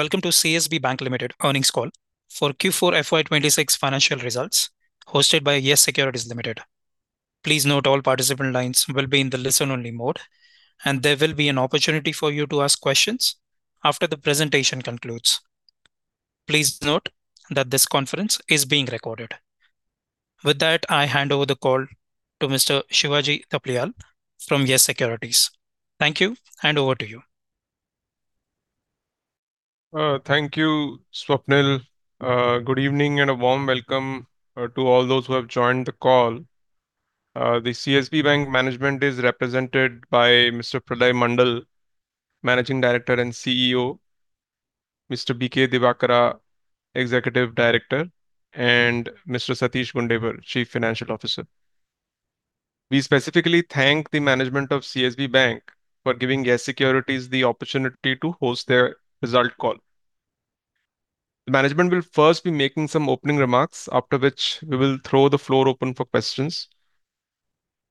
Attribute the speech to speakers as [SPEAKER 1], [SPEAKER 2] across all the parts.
[SPEAKER 1] Welcome to CSB Bank Limited earnings call for Q4 FY 2026 financial results hosted by YES Securities Limited. Please note all participant lines will be in the listen-only mode, and there will be an opportunity for you to ask questions after the presentation concludes. Please note that this conference is being recorded. With that, I hand over the call to Mr. Shivaji Thapliyal from YES Securities. Thank you, and over to you.
[SPEAKER 2] Thank you, Swapnil. Good evening and a warm welcome to all those who have joined the call. The CSB Bank management is represented by Mr. Pralay Mondal, Managing Director and CEO; Mr. B.K. Divakara, Executive Director; and Mr. Satish Gundewar, Chief Financial Officer. We specifically thank the management of CSB Bank for giving YES Securities the opportunity to host their result call. The management will first be making some opening remarks, after which we will throw the floor open for questions.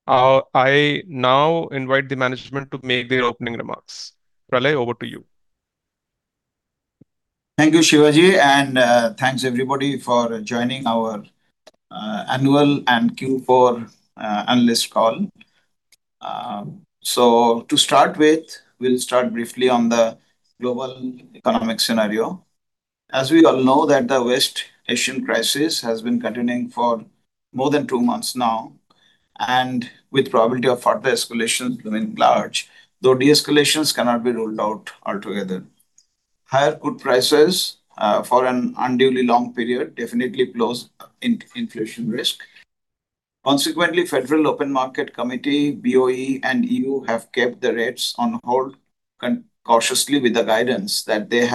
[SPEAKER 2] I now invite the management to make their opening remarks. Pralay, over to you.
[SPEAKER 3] Thank you, Shivaji, and thanks everybody for joining our annual and Q4 analyst call. To start with, we'll start briefly on the global economic scenario. As we all know that the West Asian crisis has been continuing for more than two months now, and with probability of further escalations looming large, though de-escalations cannot be ruled out altogether. Higher crude prices for an unduly long period definitely pose inflation risk. Consequently, Federal Open Market Committee, BOE, and EU have kept the rates on hold cautiously with the guidance that they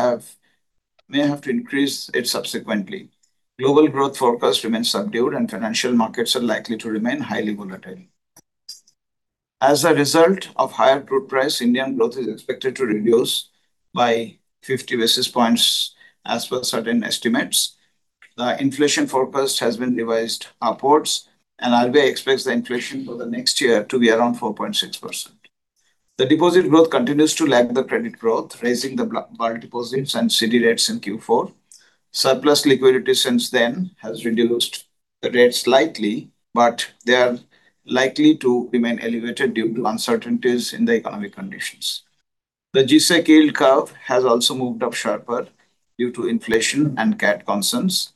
[SPEAKER 3] may have to increase it subsequently. Global growth forecast remains subdued, and financial markets are likely to remain highly volatile. As a result of higher crude price, Indian growth is expected to reduce by 50 basis points as per certain estimates. The inflation forecast has been revised upwards. RBI expects the inflation for the next year to be around 4.6%. The deposit growth continues to lag the credit growth, raising the bulk deposits and CD rates in Q4. Surplus liquidity since then has reduced the rates slightly. They are likely to remain elevated due to uncertainties in the economic conditions. The G-Sec yield curve has also moved up sharper due to inflation and CAD concerns.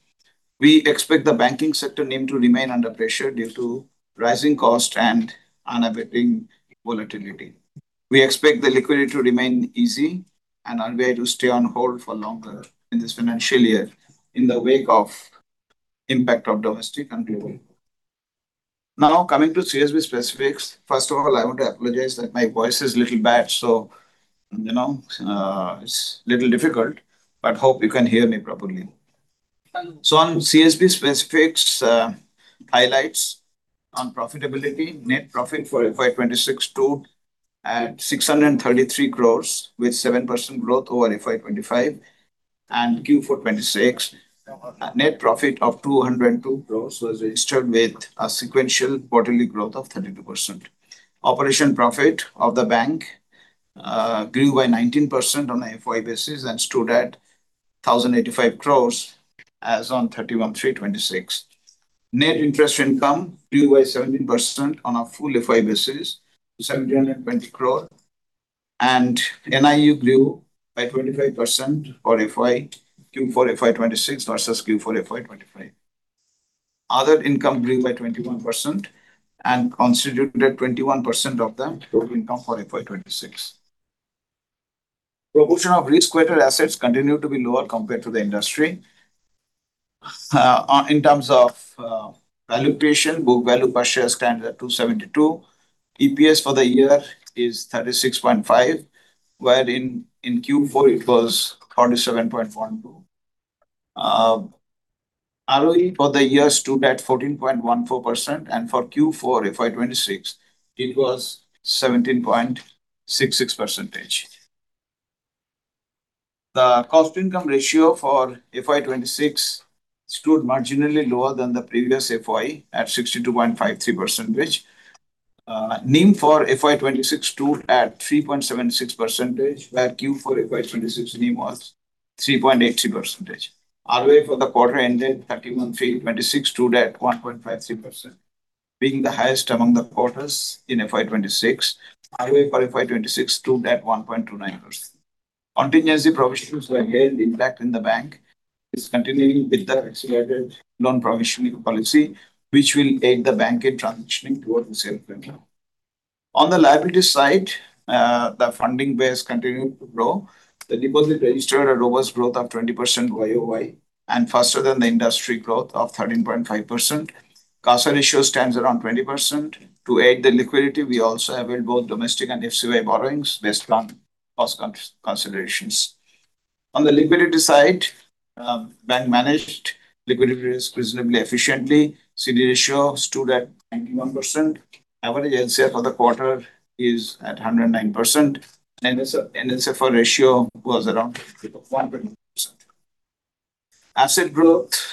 [SPEAKER 3] We expect the banking sector NIM to remain under pressure due to rising cost and unabating volatility. We expect the liquidity to remain easy. RBI to stay on hold for longer in this financial year in the wake of impact of domestic and global. Coming to CSB specifics. First of all, I want to apologize that my voice is little bad, you know, it's little difficult, but hope you can hear me properly. On CSB specifics, highlights on profitability, net profit for FY 2026 stood at 633 crore with 7% growth over FY 2025. Q4 2026, net profit of 202 crore was registered with a sequential quarterly growth of 32%. Operating profit of the bank grew by 19% on a FY basis and stood at 1,085 crore as on 31/3/2026. Net interest income grew by 17% on a full FY basis, 720 crore. NII grew by 25% for FY, Q4 FY 2026 versus Q4 FY 2025. Other income grew by 21% and constituted 21% of the total income for FY 2026. Proportion of risk-weighted assets continue to be lower compared to the industry. on, in terms of, valuation, book value per share stands at 272. EPS for the year is 36.5, wherein in Q4 it was 47.12. ROE for the year stood at 14.14%, and for Q4 FY 2026 it was 17.66%. The cost income ratio for FY 2026 stood marginally lower than the previous FY at 62.53%. NIM for FY 2026 stood at 3.76%, where Q4 FY 2026 NIM was 3.83%. ROA for the quarter ended 3/31/2026 stood at 1.53%, being the highest among the quarters in FY 2026. ROE for FY 2026 stood at 1.29%. Contingency provisions were a huge impact in the bank, is continuing with the accelerated non-provisioning policy, which will aid the bank in transitioning towards the same claim. On the liability side, the funding base continued to grow. The deposit registered a robust growth of 20% YOY and faster than the industry growth of 13.5%. CASA ratio stands around 20%. To aid the liquidity, we also availed both domestic and FCNR borrowings based on cost considerations. On the liquidity side, bank managed liquidity risk reasonably efficiently. CD ratio stood at 91%. Average LCR for the quarter is at 109%. NSFR ratio was around 1.2%. Asset growth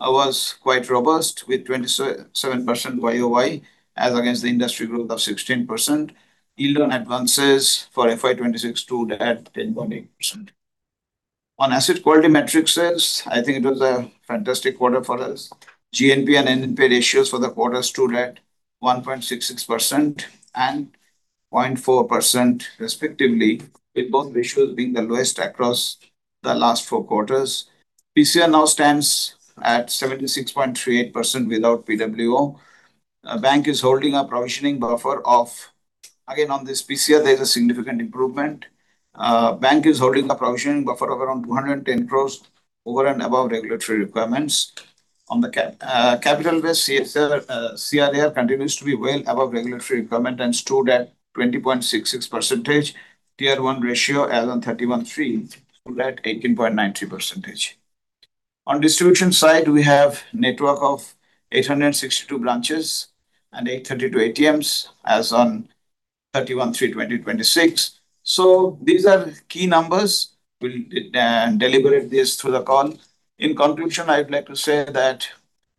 [SPEAKER 3] was quite robust with 27% YOY, as against the industry growth of 16%. Yield on advances for FY 2026 stood at 10.8%. On asset quality metrics, I think it was a fantastic quarter for us. GNPA and NNPA ratios for the quarter stood at 1.66% and 0.4% respectively, with both ratios being the lowest across the last four quarters. PCR now stands at 76.38% without PWO. Again, on this PCR, there is a significant improvement. Bank is holding a provisioning buffer of around 210 crores over and above regulatory requirements. On the capital base, CRAR continues to be well above regulatory requirement and stood at 20.66%. Tier one ratio as on 31 3 stood at 18.93%. On distribution side, we have network of 862 branches and 832 ATMs as on 3/31/2026. These are key numbers. We'll deliberate this through the call. In conclusion, I'd like to say that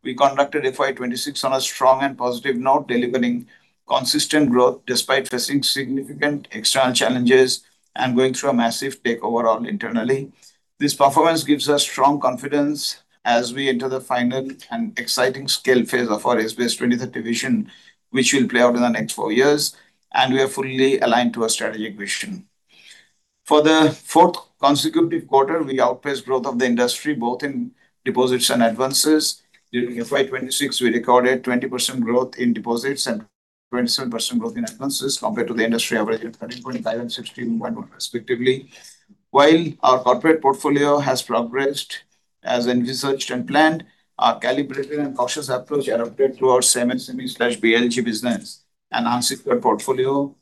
[SPEAKER 3] we conducted FY 2026 on a strong and positive note, delivering consistent growth despite facing significant external challenges and going through a massive takeover all internally. This performance gives us strong confidence as we enter the final and exciting scale phase of our SBS 2030 vision, which will play out in the next four years, and we are fully aligned to our strategic vision. For the fourth consecutive quarter, we outpaced growth of the industry, both in deposits and advances. During FY 2026, we recorded 20% growth in deposits and 27% growth in advances compared to the industry average of 13.5 and 16.1 respectively. While our corporate portfolio has progressed as envisaged and planned, our calibrated and cautious approach adopted to our SME/BLG business and unsecured portfolio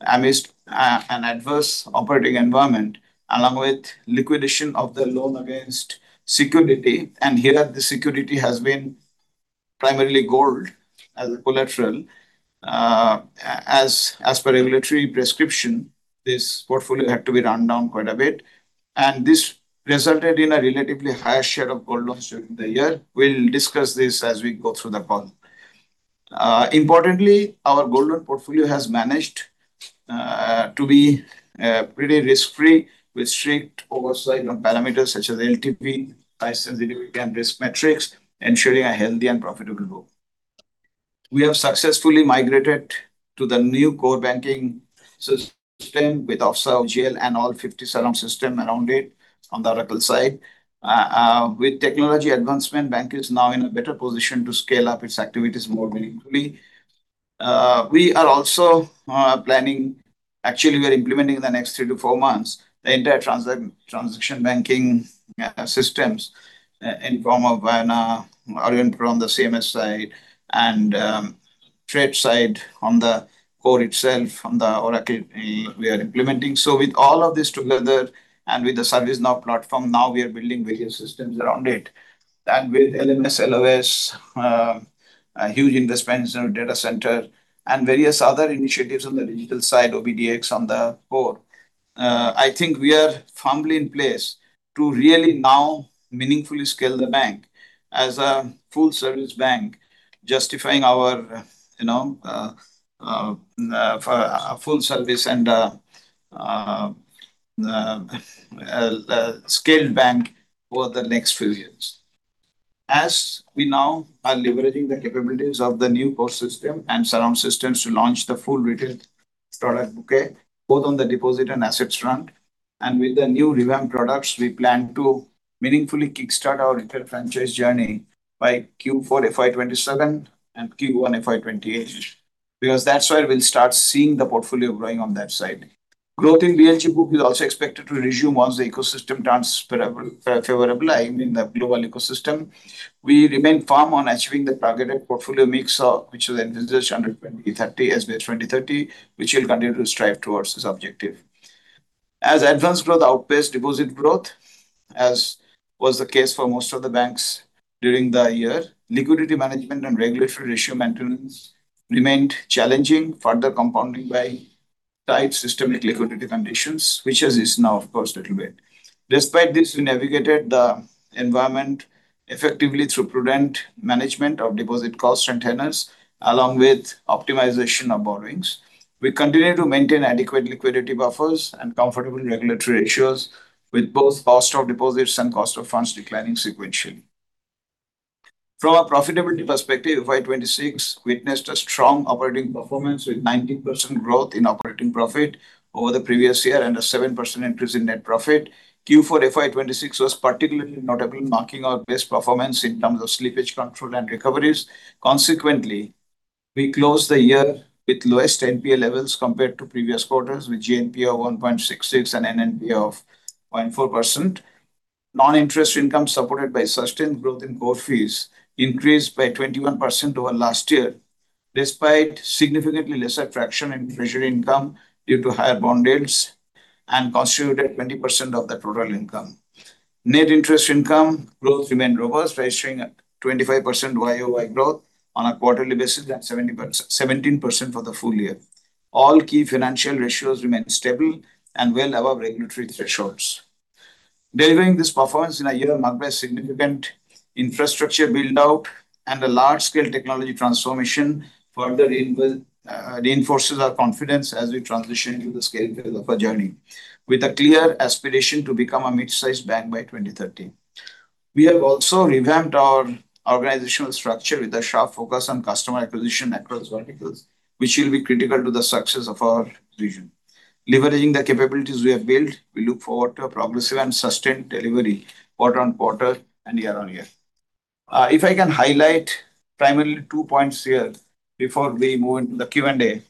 [SPEAKER 3] amidst an adverse operating environment, along with liquidation of the loan against security. Here, the security has been primarily gold as a collateral. As per regulatory prescription, this portfolio had to be run down quite a bit, this resulted in a relatively higher share of gold loans during the year. We'll discuss this as we go through the call. Importantly, our gold loan portfolio has managed to be pretty risk-free with strict oversight on parameters such as LTV, price sensitivity and risk metrics, ensuring a healthy and profitable growth. We have successfully migrated to the new core banking system with OFSS, OGL and all 50 surround system around it on the Oracle side. With technology advancement, bank is now in a better position to scale up its activities more meaningfully. We are also, actually, we are implementing in the next 3 to 4 months the entire transaction banking systems in form of Vayana, Orient Pro on the CMS side and trade side on the core itself, on the Oracle we are implementing. With all of this together and with the ServiceNow platform, now we are building various systems around it. With LMS, LOS, a huge investment in our data center and various other initiatives on the digital side, OBDX on the core, I think we are firmly in place to really now meaningfully scale the bank as a full service bank, justifying our for a full service and scaled bank over the next few years. As we now are leveraging the capabilities of the new core system and surround systems to launch the full retail product bouquet, both on the deposit and assets front. With the new revamped products, we plan to meaningfully kickstart our retail franchise journey by Q4 FY 2027 and Q1 FY 2028, because that's where we'll start seeing the portfolio growing on that side. Growth in BLG book is also expected to resume once the ecosystem turns favorable, I mean, the global ecosystem. We remain firm on achieving the targeted portfolio mix, which was envisaged under SBS 2030, which we'll continue to strive towards this objective. As advanced growth outpaced deposit growth, as was the case for most of the banks during the year, liquidity management and regulatory ratio maintenance remained challenging, further compounding by tight systemic liquidity conditions, which has eased now, of course, little bit. Despite this, we navigated the environment effectively through prudent management of deposit cost and tenors, along with optimization of borrowings. We continue to maintain adequate liquidity buffers and comfortable regulatory ratios with both cost of deposits and cost of funds declining sequentially. From a profitability perspective, FY 2026 witnessed a strong operating performance with 19% growth in operating profit over the previous year and a 7% increase in net profit. Q4 FY 2026 was particularly notable, marking our best performance in terms of slippage control and recoveries. We closed the year with lowest NPA levels compared to previous quarters, with GNPA of 1.66 and NNPA of 0.4%. Non-interest income, supported by sustained growth in core fees, increased by 21% over last year, despite significantly lesser traction in treasury income due to higher bond yields and constituted 20% of the total income. Net interest income growth remained robust, registering a 25% YOY growth on a quarterly basis and 17% for the full year. All key financial ratios remain stable and well above regulatory thresholds. Delivering this performance in a year marked by significant infrastructure build-out and a large scale technology transformation further reinforces our confidence as we transition into the scale phase of our journey, with a clear aspiration to become a mid-sized bank by 2030. We have also revamped our organizational structure with a sharp focus on customer acquisition across verticals, which will be critical to the success of our vision. Leveraging the capabilities we have built, we look forward to a progressive and sustained delivery quarter on quarter and year on year. If I can highlight primarily two points here before we move into the Q&A.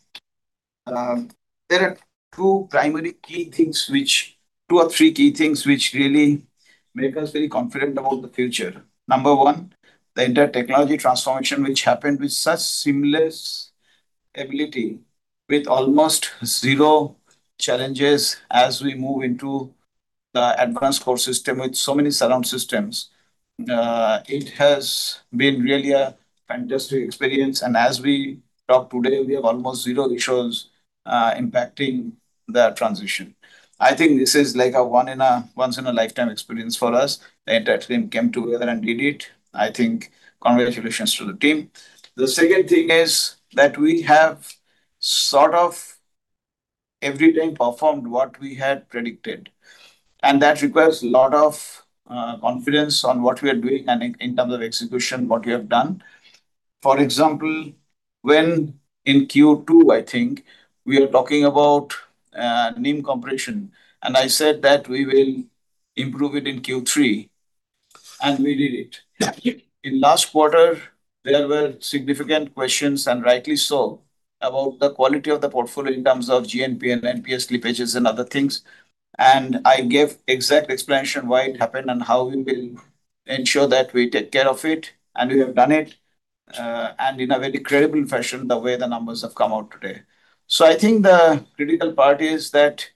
[SPEAKER 3] There are two primary key things which two or three key things which really make us very confident about the future. Number one, the entire technology transformation which happened with such seamless ability with almost zero challenges as we move into the advanced core system with so many surround systems. It has been really a fantastic experience. As we talk today, we have almost zero issues impacting the transition. I think this is like a once in a lifetime experience for us. The entire team came together and did it. I think congratulations to the team. The second thing is that we have sort of every time performed what we had predicted, and that requires a lot of confidence on what we are doing and in terms of execution, what we have done. For example, when in Q2, I think, we are talking about NIM compression, and I said that we will improve it in Q3, and we did it. In last quarter, there were significant questions, and rightly so, about the quality of the portfolio in terms of GNP and NPS slippages and other things. I gave exact explanation why it happened and how we will ensure that we take care of it, and we have done it, and in a very credible fashion, the way the numbers have come out today. I think the critical part is that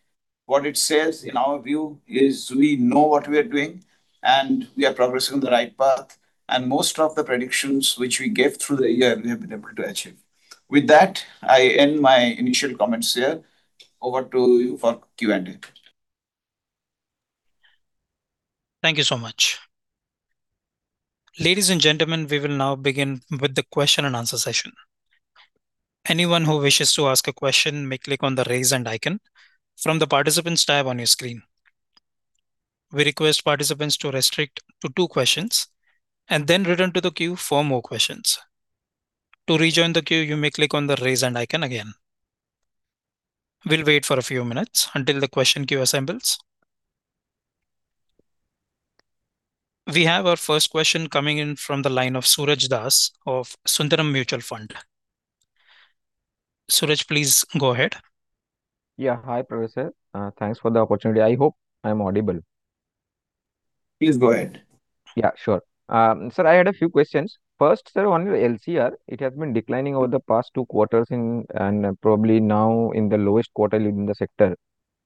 [SPEAKER 3] what it says, in our view, is we know what we are doing, and we are progressing on the right path. Most of the predictions which we gave through the year, we have been able to achieve. With that, I end my initial comments here. Over to you for Q&A.
[SPEAKER 1] Thank you so much. Ladies and gentlemen, we will now begin with the question-and-answer session. Anyone who wishes to ask a question may click on the Raise Hand icon from the Participants tab on your screen. We request participants to restrict to two questions and then return to the queue for more questions. To rejoin the queue, you may click on the Raise Hand icon again. We will wait for a few minutes until the question queue assembles. We have our first question coming in from the line of Suraj Das of Sundaram Mutual Fund. Suraj, please go ahead.
[SPEAKER 4] Yeah. Hi, Pralay. Thanks for the opportunity. I hope I'm audible.
[SPEAKER 3] Please go ahead.
[SPEAKER 4] Yeah, sure. Sir, I had a few questions. First, sir, on LCR. It has been declining over the past 2 quarters, and probably now in the lowest quartile in the sector.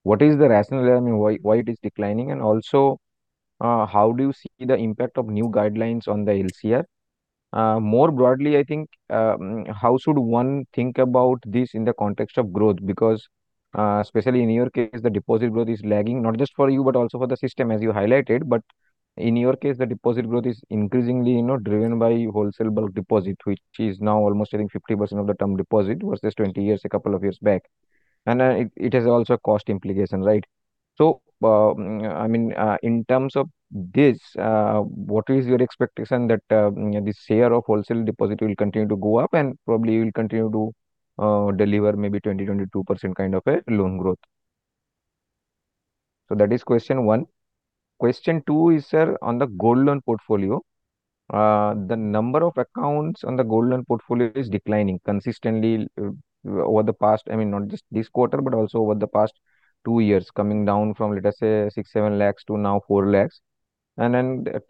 [SPEAKER 4] What is the rationale, I mean, why it is declining? Also, how do you see the impact of new guidelines on the LCR? More broadly, I think, how should one think about this in the context of growth? Because, especially in your case, the deposit growth is lagging, not just for you, but also for the system as you highlighted. In your case, the deposit growth is increasingly, you know, driven by wholesale bulk deposit, which is now almost hitting 50% of the term deposit versus 20 years a couple of years back. It has also cost implication, right? I mean, in terms of this, what is your expectation that, you know, the share of wholesale deposit will continue to go up and probably will continue to deliver maybe 20%-22% kind of a loan growth? That is question one. Question two is, sir, on the gold loan portfolio. The number of accounts on the gold loan portfolio is declining consistently over the past, I mean, not just this quarter, but also over the past two years, coming down from, let us say, 6 lakh-7 lakh to now 4 lakh.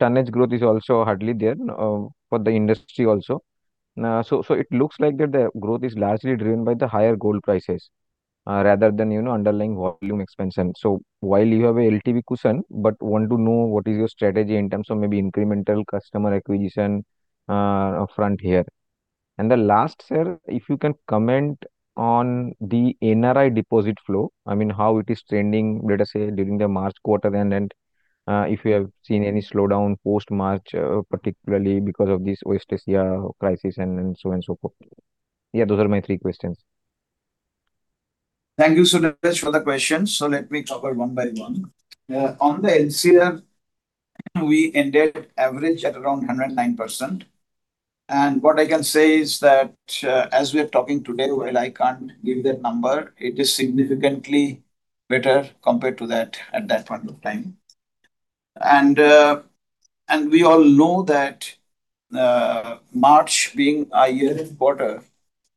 [SPEAKER 4] Tonnage growth is also hardly there for the industry also. It looks like that the growth is largely driven by the higher gold prices, rather than, you know, underlying volume expansion. While you have a LTV cushion, but want to know what is your strategy in terms of maybe incremental customer acquisition front here. The last, sir, if you can comment on the NRI deposit flow. I mean, how it is trending, let us say, during the March quarter, and then, if you have seen any slowdown post-March, particularly because of this West Asia crisis and so on so forth. Yeah, those are my three questions.
[SPEAKER 3] Thank you, Suraj, for the questions. Let me cover one by one. On the LCR, we ended average at around 109%. What I can say is that, as we are talking today, well, I can't give that number. It is significantly better compared to that at that point of time. We all know that March being a year-end quarter,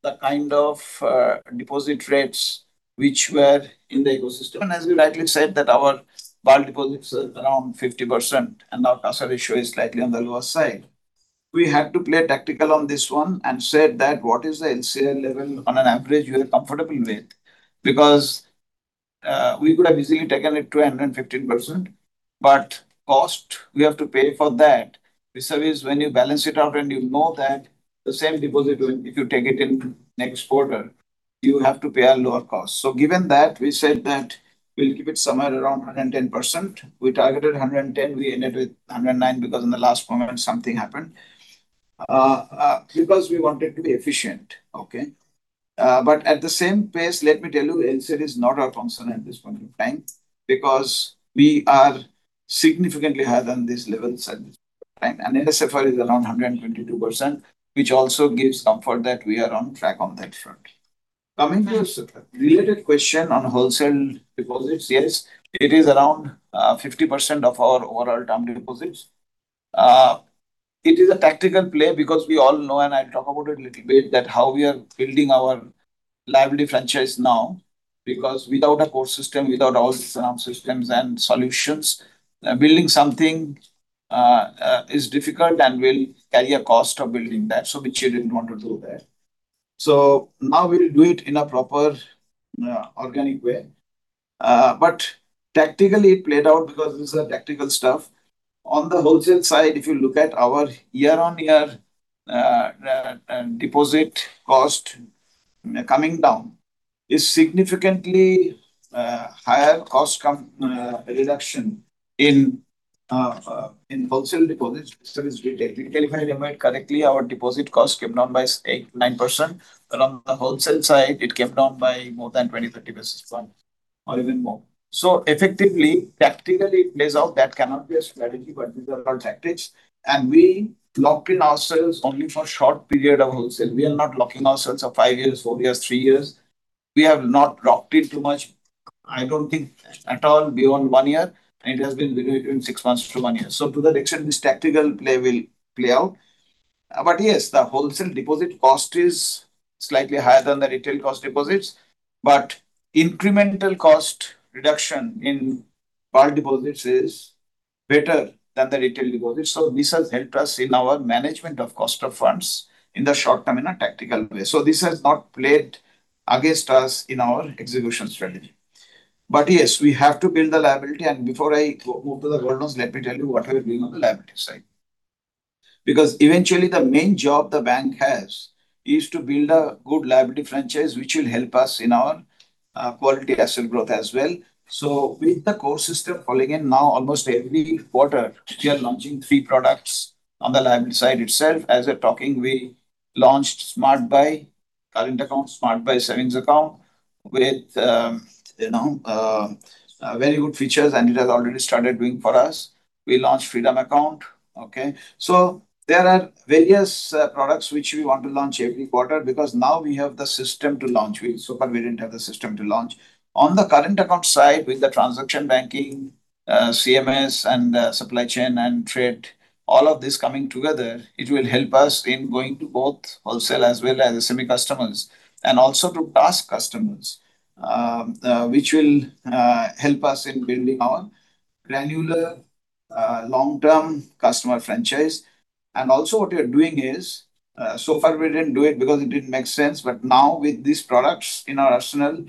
[SPEAKER 3] the kind of deposit rates which were in the ecosystem. As you rightly said that our bulk deposits are around 50% and our CASA ratio is slightly on the lower side. We had to play tactical on this one and said that what is the LCR level on an average you are comfortable with? We could have easily taken it to 115%, but cost we have to pay for that. This service, when you balance it out and you know that the same deposit if you take it in next quarter, you have to pay a lower cost. Given that, we said that we'll keep it somewhere around 110%. We targeted 110, we ended with 109 because in the last moment something happened. Because we wanted to be efficient. Okay. At the same pace, let me tell you, LCR is not our concern at this point of time because we are significantly higher than these levels at this point of time. NSFR is around 122%, which also gives comfort that we are on track on that front. Coming to a related question on wholesale deposits. It is around 50% of our overall term deposits. It is a tactical play because we all know, and I'll talk about it a little bit, that how we are building our liability franchise now. Because without a core system, without all systems and solutions, building something is difficult and will carry a cost of building that, so which we didn't want to do that. Now we'll do it in a proper organic way. Tactically it played out because these are tactical stuff. On the wholesale side, if you look at our year-on-year deposit cost coming down is significant, higher cost reduction in wholesale deposits versus retail. If I remember it correctly, our deposit cost came down by 8%-9%. On the wholesale side, it came down by more than 20-30 basis points or even more. Effectively, tactically it plays out. That cannot be a strategy, but these are all tactics. We locked in ourselves only for short period of wholesale. We are not locking ourselves for 5 years, 4 years, 3 years. We have not locked in too much, I don't think at all beyond 1 year, and it has been between 6 months to 1 year. To that extent, this tactical play will play out. Yes, the wholesale deposit cost is slightly higher than the retail cost deposits, but incremental cost reduction in bulk deposits is better than the retail deposits. This has helped us in our management of cost of funds in the short term in a tactical way. This has not played against us in our execution strategy. Yes, we have to build the liability. Before I move to the gold loans, let me tell you what we are doing on the liability side. Because eventually the main job the bank has is to build a good liability franchise, which will help us in our quality asset growth as well. With the core system falling in, now almost every quarter we are launching three products on the liability side itself. As we're talking, we launched Smart Save current account, Smart Save savings account with, you know, very good features, and it has already started doing for us. We launched Freedom Account. Okay. There are various products which we want to launch every quarter because now we have the system to launch. So far, we didn't have the system to launch. On the current account side, with the transaction banking, CMS and supply chain and trade, all of this coming together, it will help us in going to both wholesale as well as SME customers and also to TACS customers, which will help us in building our granular, long-term customer franchise. What we are doing is, so far we didn't do it because it didn't make sense, but now with these products in our arsenal,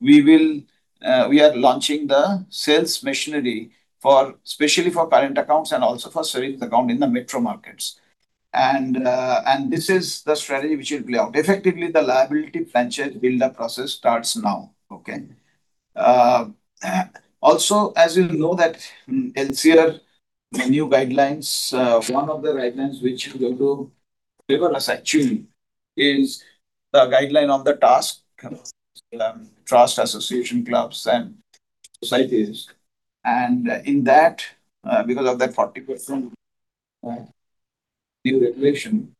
[SPEAKER 3] we will, we are launching the sales machinery for, especially for current accounts and also for savings accounts in the metro markets. This is the strategy which will play out. Effectively, the liability franchise build-up process starts now. Okay. Also, as you know that CRAR new guidelines, one of the guidelines which is going to favor us actually is the guideline on the TACS, Trust Association Clubs and Societies. In that, because of that 40% new regulation,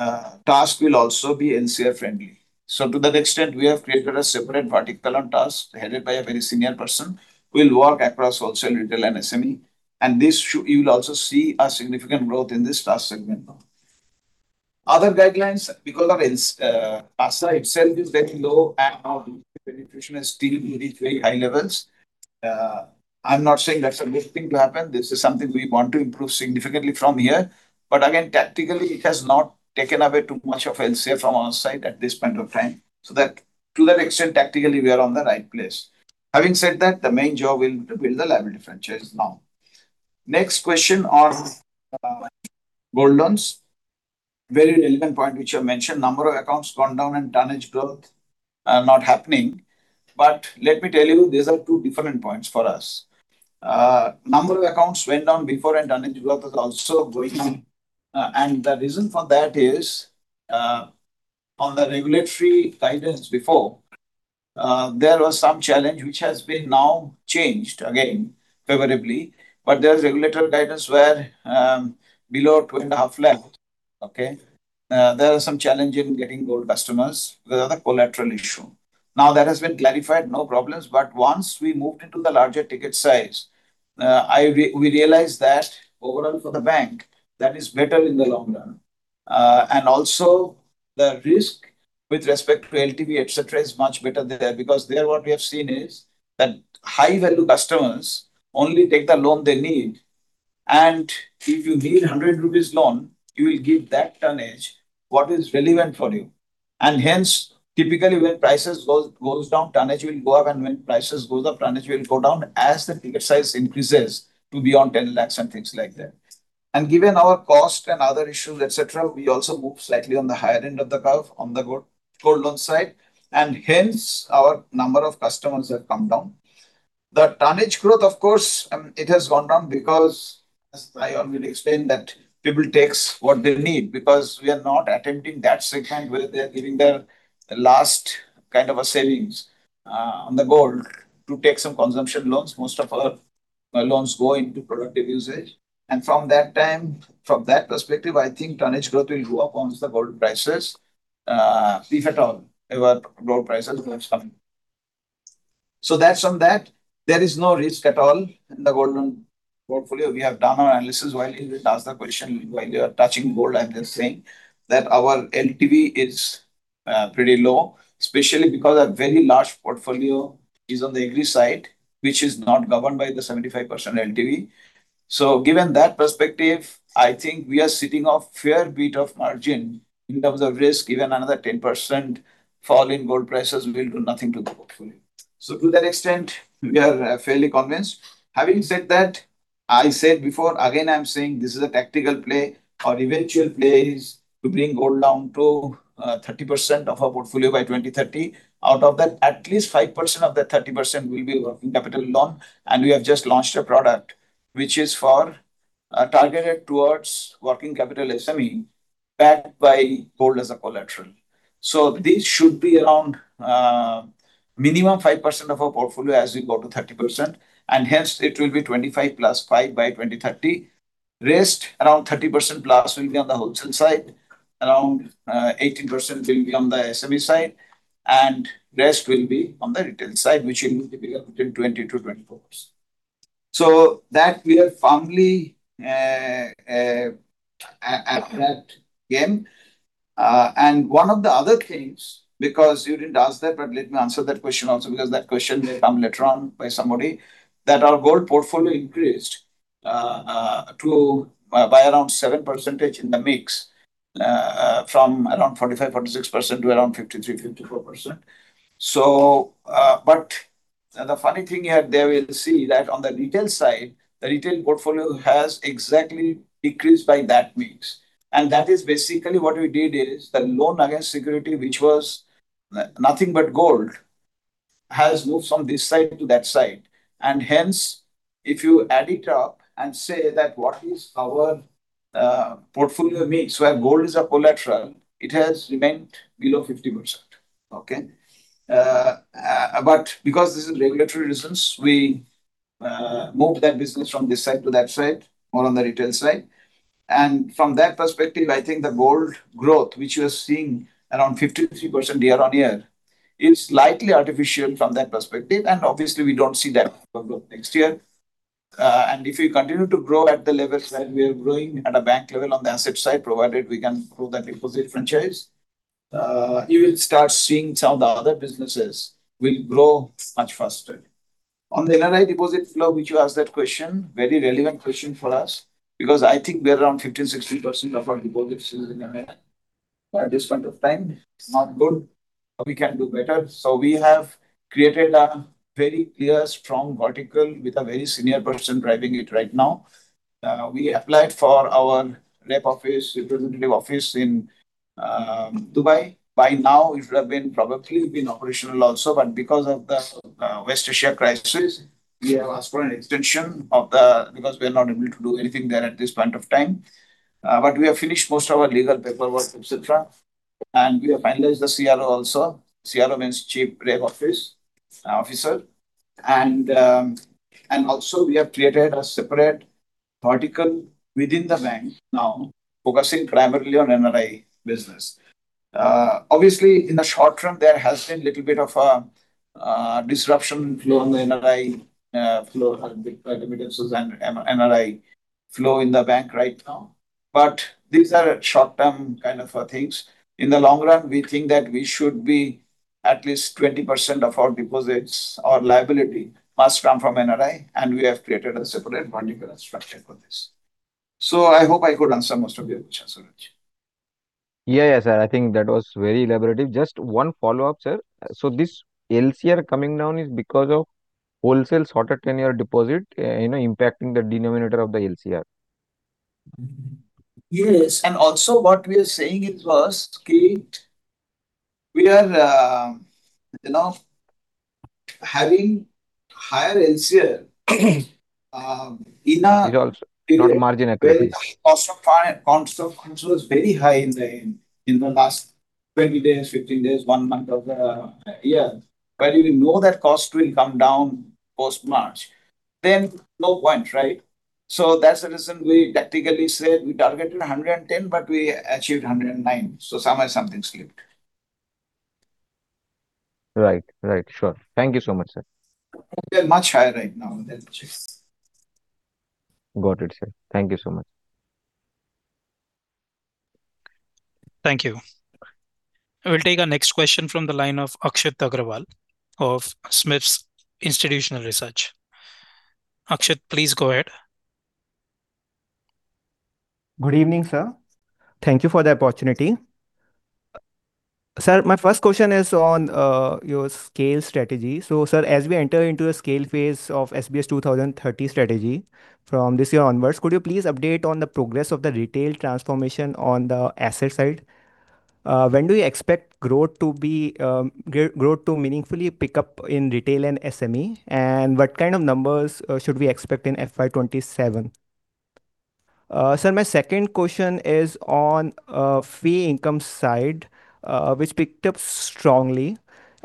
[SPEAKER 3] TACS will also be CRAR friendly. To that extent, we have created a separate vertical on TACS headed by a very senior person who will work across wholesale, retail, and SME. You will also see a significant growth in this TACS segment now. Other guidelines because of CASA itself is very low and now the penetration is still very high levels. I'm not saying that's a good thing to happen. This is something we want to improve significantly from here. Again, tactically, it has not taken away too much of LCR from our side at this point of time. To that extent, tactically we are on the right place. Having said that, the main job will be to build the liability franchise now. Next question on gold loans. Very relevant point which you have mentioned. Number of accounts gone down and tonnage growth not happening. Let me tell you, these are two different points for us. Number of accounts went down before and tonnage growth was also going down. The reason for that is on the regulatory guidance before, there was some challenge which has been now changed again favorably. There's regulatory guidance where, below 2.5 lakh, okay, there are some challenge in getting gold customers because of the collateral issue. That has been clarified, no problems. Once we moved into the larger ticket size, we realized that overall for the bank, that is better in the long run. Also the risk with respect to LTV, etc., is much better there. There what we have seen is that high value customers only take the loan they need. If you give 100 rupees loan, you will give that tonnage what is relevant for you. Hence, typically when prices goes down, tonnage will go up, and when prices goes up, tonnage will go down as the ticket size increases to beyond 10 lakhs and things like that. Given our cost and other issues, et cetera, we also move slightly on the higher end of the curve on the gold loan side, and hence our number of customers have come down. The tonnage growth, of course, it has gone down because as I already explained that people takes what they need, because we are not attempting that segment where they're giving their last kind of a savings on the gold to take some consumption loans. Most of our loans go into productive usage. From that time, from that perspective, I think tonnage growth will go up once the gold prices, if at all, if our gold prices will come. That's on that. There is no risk at all in the gold loan portfolio. We have done our analysis while you will ask the question, while you are touching gold, I'm just saying that our LTV is pretty low, especially because a very large portfolio is on the agri side, which is not governed by the 75% LTV. Given that perspective, I think we are sitting on fair bit of margin in terms of risk. Even another 10% fall in gold prices will do nothing to the portfolio. To that extent, we are fairly convinced. Having said that, I said before, again, I'm saying this is a tactical play. Our eventual play is to bring gold down to 30% of our portfolio by 2030. Out of that, at least 5% of that 30% will be working capital loan. We have just launched a product which is for targeted towards working capital SME backed by gold as a collateral. This should be around minimum 5% of our portfolio as we go to 30%, and hence it will be 25 plus 5 by 2030. Rest, around 30% plus will be on the wholesale side. Around 18% will be on the SME side, and rest will be on the retail side, which will be between 20%-24%. That we are firmly at that game. One of the other things, because you didn't ask that, but let me answer that question also, because that question may come later on by somebody, that our gold portfolio increased to by around 7% in the mix from around 45%-46% to around 53%-54%. The funny thing here, they will see that on the retail side, the retail portfolio has exactly decreased by that mix. That is basically what we did is the loan against security, which was nothing but gold, has moved from this side to that side. Hence, if you add it up and say that what is our portfolio mix, where gold is a collateral, it has remained below 50%. Okay? Because this is regulatory reasons, we moved that business from this side to that side, more on the retail side. From that perspective, I think the gold growth, which we are seeing around 53% year-on-year, is slightly artificial from that perspective, and obviously we don't see that growth next year. If we continue to grow at the levels that we are growing at a bank level on the asset side, provided we can grow that deposit franchise, you will start seeing some of the other businesses will grow much faster. On the NRI deposit flow, which you asked that question, very relevant question for us, because I think we are around 15%, 16% of our deposits is in NRI. At this point of time, it's not good. We can do better. We have created a very clear, strong vertical with a very senior person driving it right now. We applied for our rep office, representative office in Dubai. By now it would have probably been operational also, but because of the West Asia crisis, we have asked for an extension because we are not able to do anything there at this point of time. We have finished most of our legal paperwork, et cetera, and we have finalized the CRO also. CRO means Chief Rep Office Officer. We have created a separate vertical within the bank now focusing primarily on NRI business. Obviously, in the short term, there has been little bit of a disruption flow on the NRI flow, remittances and NRI flow in the bank right now. These are short-term kind of things. In the long run, we think that we should be at least 20% of our deposits or liability must come from NRI, and we have created a separate vertical structure for this. I hope I could answer most of your questions, Suraj.
[SPEAKER 4] Yeah, yeah, sir. I think that was very elaborative. Just one follow-up, sir. This LCR coming down is because of wholesale shorter ten-year deposit, you know, impacting the denominator of the LCR?
[SPEAKER 3] Yes. Also what we are saying is first, Kate, we are, you know, having higher LCR.
[SPEAKER 4] It also, not margin activities...
[SPEAKER 3] where the cost of funds was very high in the last 20 days, 15 days, 1 month of the year. We know that cost will come down post-March, no point, right? That's the reason we tactically said we targeted 110, but we achieved 109. Somewhere something slipped.
[SPEAKER 4] Right. Right. Sure. Thank you so much, sir.
[SPEAKER 3] They're much higher right now than just.
[SPEAKER 4] Got it, sir. Thank you so much.
[SPEAKER 1] Thank you. We'll take our next question from the line of Akshat Agrawal of SMIFS Institutional Research. Akshat, please go ahead.
[SPEAKER 5] Good evening, sir. Thank you for the opportunity. Sir, my first question is on your scale strategy. Sir, as we enter into a scale phase of SBS 2030 strategy from this year onwards, could you please update on the progress of the retail transformation on the asset side? When do you expect growth to meaningfully pick up in retail and SME? What kind of numbers should we expect in FY 2027? Sir, my second question is on fee income side, which picked up strongly.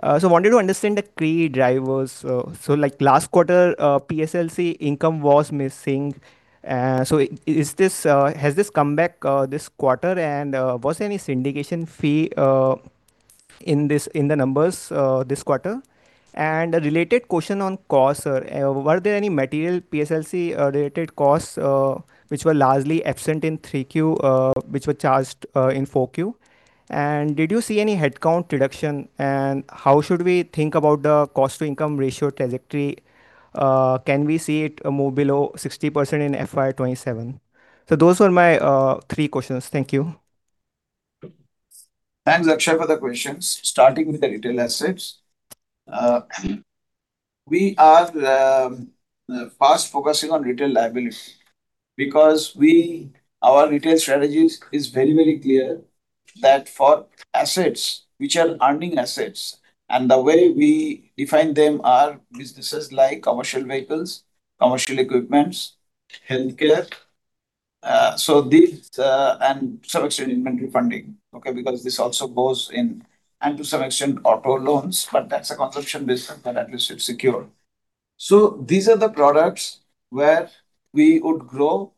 [SPEAKER 5] I wanted to understand the key drivers. Like last quarter, PSLC income was missing. Has this come back this quarter? Was any syndication fee in this, in the numbers, this quarter? A related question on costs, sir. Were there any material PSLC related costs which were largely absent in 3Q, which were charged in 4Q? Did you see any headcount reduction? How should we think about the cost-to-income ratio trajectory? Can we see it move below 60% in FY 2027? Those were my 3 questions. Thank you.
[SPEAKER 3] Thanks, Akshat, for the questions. Starting with the retail assets, we are first focusing on retail liability because we, our retail strategies is very, very clear that for assets which are earning assets, and the way we define them are businesses like commercial vehicles, commercial equipments, healthcare, so these, and some extent inventory funding, okay. This also goes in and to some extent auto loans, but that's a consumption business, but at least it's secure. These are the products where we would grow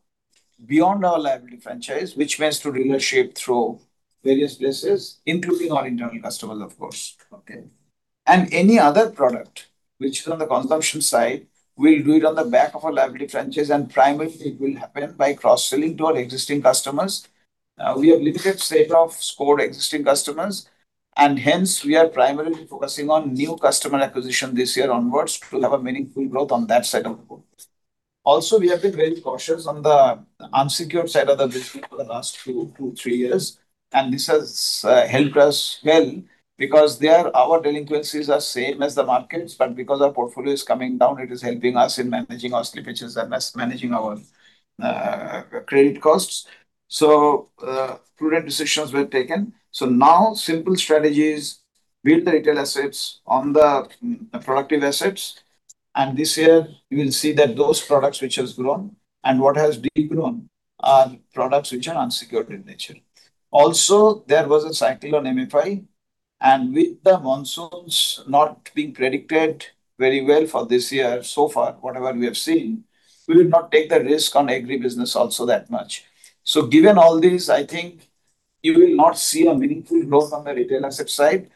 [SPEAKER 3] beyond our liability franchise, which means to dealership through various places, including our internal customers, of course, okay. Any other product which is on the consumption side, we'll do it on the back of our liability franchise, and primarily it will happen by cross-selling to our existing customers. We have limited set of scored existing customers, we are primarily focusing on new customer acquisition this year onwards to have a meaningful growth on that side of the book. We have been very cautious on the unsecured side of the business for the last 2-3 years, and this has helped us well, because there our delinquencies are same as the markets, but because our portfolio is coming down, it is helping us in managing our slippages and thus managing our credit costs. Prudent decisions were taken. Simple strategy is build the retail assets on the productive assets, and this year you will see that those products which has grown and what has de-grown are products which are unsecured in nature. There was a cycle on MFI, and with the monsoons not being predicted very well for this year so far, whatever we have seen, we will not take the risk on agri business also that much. Given all this, I think you will not see a meaningful growth on the retail asset side,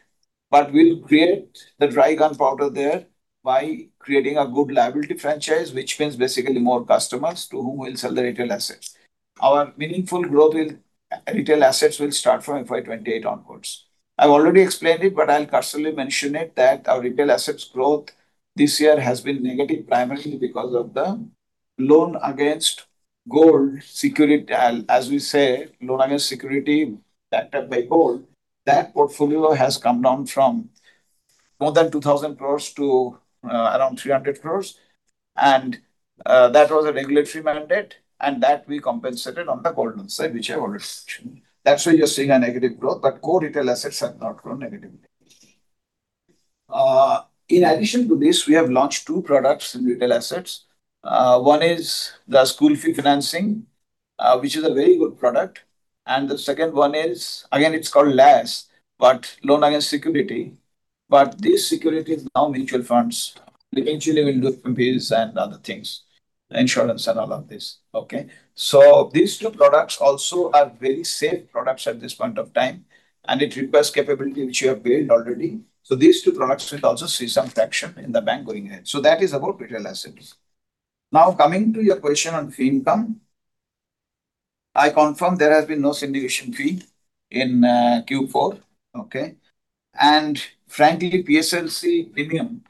[SPEAKER 3] but we'll create the dry gunpowder there by creating a good liability franchise, which means basically more customers to whom we'll sell the retail assets. Our meaningful growth with retail assets will start from FY 2028 onwards. I've already explained it, but I'll casually mention it that our retail assets growth this year has been negative primarily because of the loan against gold security. As we say, loan against security backed up by gold. That portfolio has come down from more than 2,000 crores to around 300 crores. That was a regulatory mandate, and that we compensated on the gold loan side, which I've already mentioned. That's why you're seeing a negative growth, but core retail assets have not grown negatively. In addition to this, we have launched two products in retail assets. One is the school fee financing, which is a very good product. The second one is, again, it's called LAS, but Loan Against Security, but this security is now mutual funds. Eventually, we'll do PPF and other things, insurance and all of this, okay. These two products also are very safe products at this point of time, and it requires capability which we have built already. These two products will also see some traction in the bank going ahead. That is about retail assets. Coming to your question on fee income, I confirm there has been no syndication fee in Q4, okay? Frankly, PSLC premium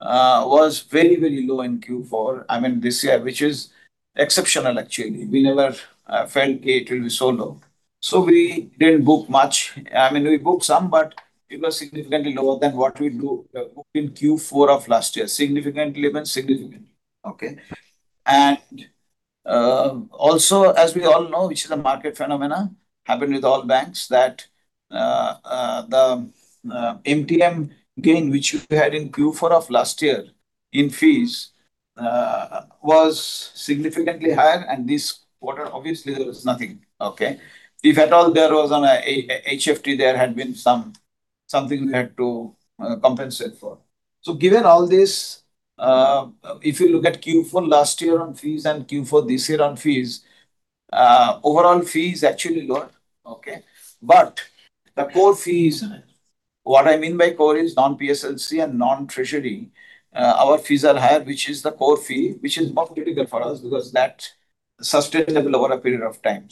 [SPEAKER 3] was very, very low in Q4, I mean, this year, which is exceptional actually. We never felt it will be so low. We didn't book much. I mean, we booked some, but it was significantly lower than what we do booked in Q4 of last year. Significantly means significantly, okay? Also, as we all know, which is a market phenomena, happened with all banks that the MTM gain which we had in Q4 of last year in fees was significantly higher, and this quarter obviously there was nothing, okay? If at all there was on a HFT, there had been some, something we had to compensate for. Given all this, if you look at Q4 last year on fees and Q4 this year on fees, overall fee is actually lower. The core fees, what I mean by core is non-PSLC and non-treasury. Our fees are higher, which is the core fee, which is more critical for us because that's sustainable over a period of time.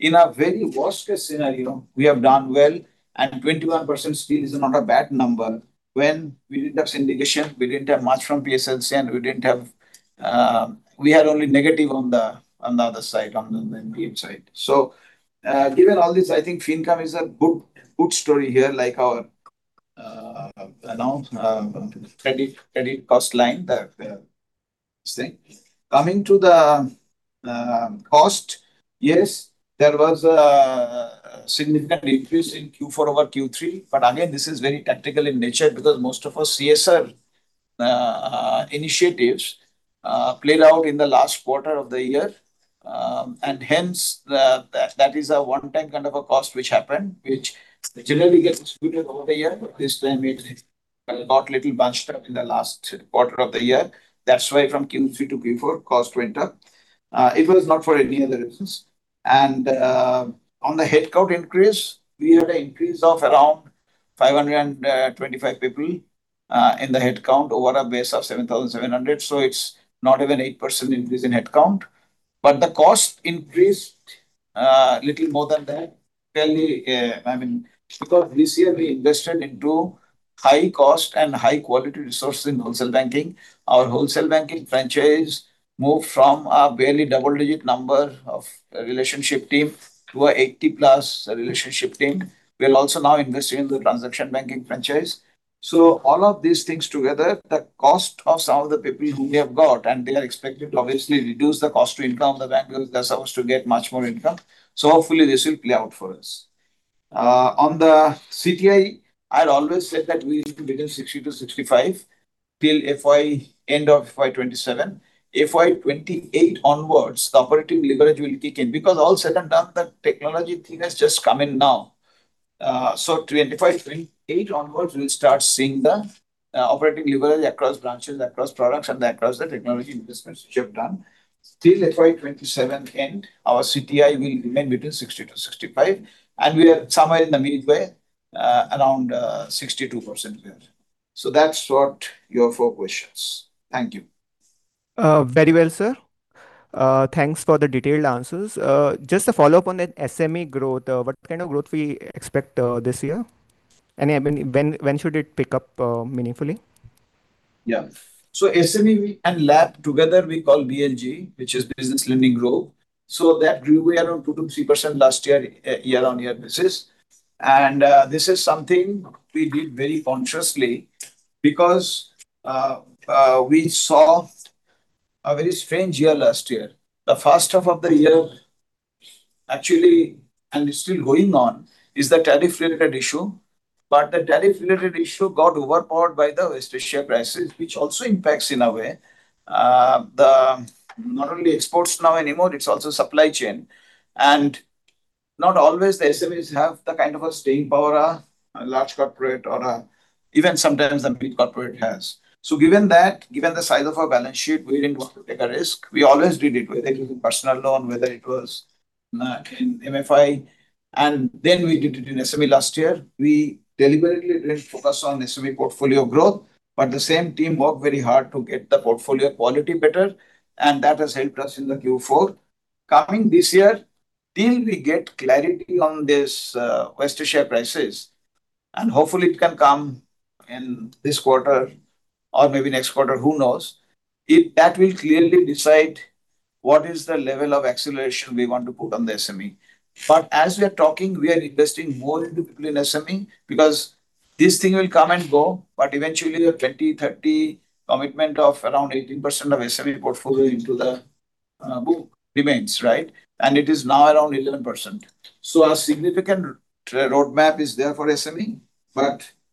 [SPEAKER 3] In a very worst case scenario, we have done well, and 21% still is not a bad number. When we did that syndication, we didn't have much from PSLC, and we didn't have we had only negative on the other side, on the debt side. Given all this, I think fee income is a good story here, like our announced credit cost line that saying. Coming to the cost, yes, there was a significant increase in Q4 over Q3. Again, this is very tactical in nature because most of our CSR initiatives played out in the last quarter of the year. Hence, that is a one-time kind of a cost which happened, which generally gets distributed over the year. This time it got little bunched up in the last quarter of the year. That's why from Q3 to Q4 cost went up. It was not for any other reasons. On the headcount increase, we had a increase of around 525 people in the headcount over a base of 7,700. It's not even 8% increase in headcount. The cost increased little more than that. Clearly, I mean, because this year we invested into high cost and high quality resources in wholesale banking. Our wholesale banking franchise moved from a barely double-digit number of relationship team to a 80-plus relationship team. We're also now investing in the transaction banking franchise. All of these things together, the cost of some of the people who we have got, and they are expected to obviously reduce the cost to income of the bank because they're supposed to get much more income. Hopefully this will play out for us. On the CTI, I'd always said that we need to be between 60-65 till FY, end of FY 2027. FY 2028 onwards, the operating leverage will kick in because all said and done, the technology thing has just come in now. 2025, 2028 onwards, we'll start seeing the operating leverage across branches, across products, and across the technology investments which we have done. Till FY 2027 end, our CTI will remain between 60-65, and we are somewhere in the midway, around 62% there. That's what your 4 questions. Thank you.
[SPEAKER 5] Very well, sir. Thanks for the detailed answers. Just a follow-up on the SME growth. What kind of growth we expect this year? When should it pick up meaningfully?
[SPEAKER 3] Yeah. SME and Lab together we call BLG, which is Business Lending Growth. That grew around 2%-3% last year at year-on-year basis. This is something we did very consciously because we saw a very strange year last year. The first half of the year actually, and it's still going on, is the tariff-related issue. The tariff-related issue got overpowered by the West Asia crisis, which also impacts in a way, the not only exports now anymore, it's also supply chain. Not always the SMEs have the kind of a staying power a large corporate or even sometimes the mid corporate has. Given that, given the size of our balance sheet, we didn't want to take a risk. We always did it, whether it was in personal loan, whether it was in MFI, and then we did it in SME last year. We deliberately didn't focus on SME portfolio growth, but the same team worked very hard to get the portfolio quality better, and that has helped us in the Q4. Coming this year, till we get clarity on this West Asia crisis, and hopefully it can come in this quarter or maybe next quarter, who knows. That will clearly decide what is the level of acceleration we want to put on the SME. As we are talking, we are investing more into people in SME because this thing will come and go, but eventually the 2030 commitment of around 18% of SME portfolio into the book remains, right? It is now around 11%. A significant roadmap is there for SME.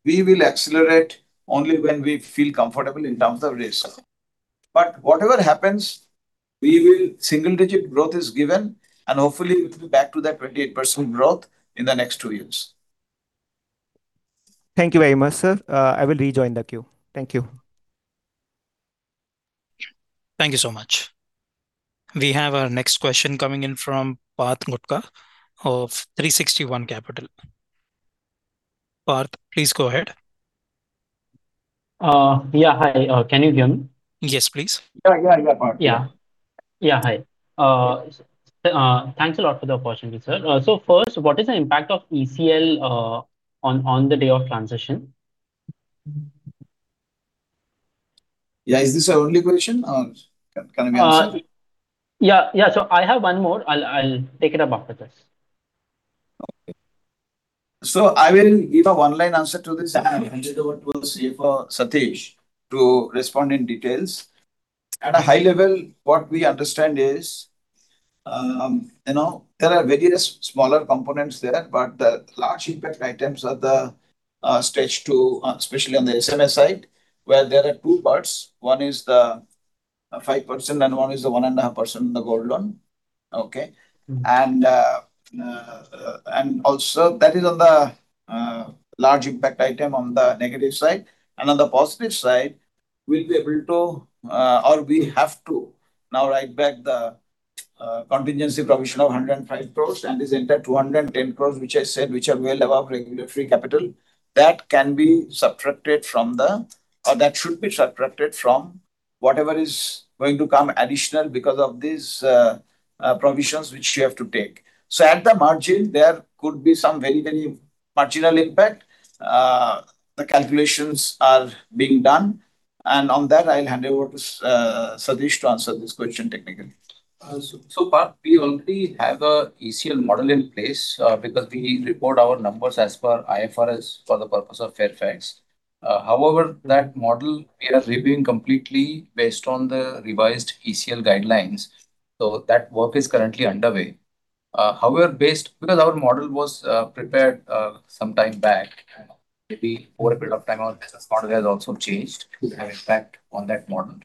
[SPEAKER 3] We will accelerate only when we feel comfortable in terms of risk. Whatever happens, single digit growth is given. Hopefully it will be back to that 28% growth in the next two years.
[SPEAKER 5] Thank you very much, sir. I will rejoin the queue. Thank you.
[SPEAKER 1] Thank you so much. We have our next question coming in from Parth Motka of 360 ONE Capital. Parth, please go ahead.
[SPEAKER 6] Yeah. Hi. Can you hear me?
[SPEAKER 1] Yes, please.
[SPEAKER 3] Yeah. Yeah. Yeah, Parth.
[SPEAKER 6] Yeah. Yeah. Hi. Thanks a lot for the opportunity, sir. First, what is the impact of ECL, on the day of transition?
[SPEAKER 3] Yeah. Is this our only question, or can we answer it?
[SPEAKER 6] yeah. I have one more. I'll take it up after this.
[SPEAKER 3] Okay. I will give a one-line answer to this.
[SPEAKER 6] Yeah.
[SPEAKER 3] I will say for Satish to respond in details. At a high level, what we understand is, you know, there are various smaller components there, but the large impact items are the stage 2, especially on the SME side, where there are 2 parts. One is the 5% and one is the 1.5% in the gold loan. Okay?
[SPEAKER 6] Mm-hmm.
[SPEAKER 3] Also that is on the large impact item on the negative side. On the positive side, we'll be able to, or we have to now write back the contingency provision of 105 crores and this entire 210 crores, which I said, which are well above regulatory capital, that can be subtracted from or that should be subtracted from whatever is going to come additional because of these provisions which you have to take. At the margin, there could be some very marginal impact. The calculations are being done, and on that I'll hand over to Satish to answer this question technically.
[SPEAKER 7] Parth, we already have a ECL model in place because we report our numbers as per IFRS for the purpose of Fairfax. However, that model we are reviewing completely based on the revised ECL guidelines. That work is currently underway. However, because our model was prepared some time back, maybe over a period of time our business model has also changed to have impact on that model.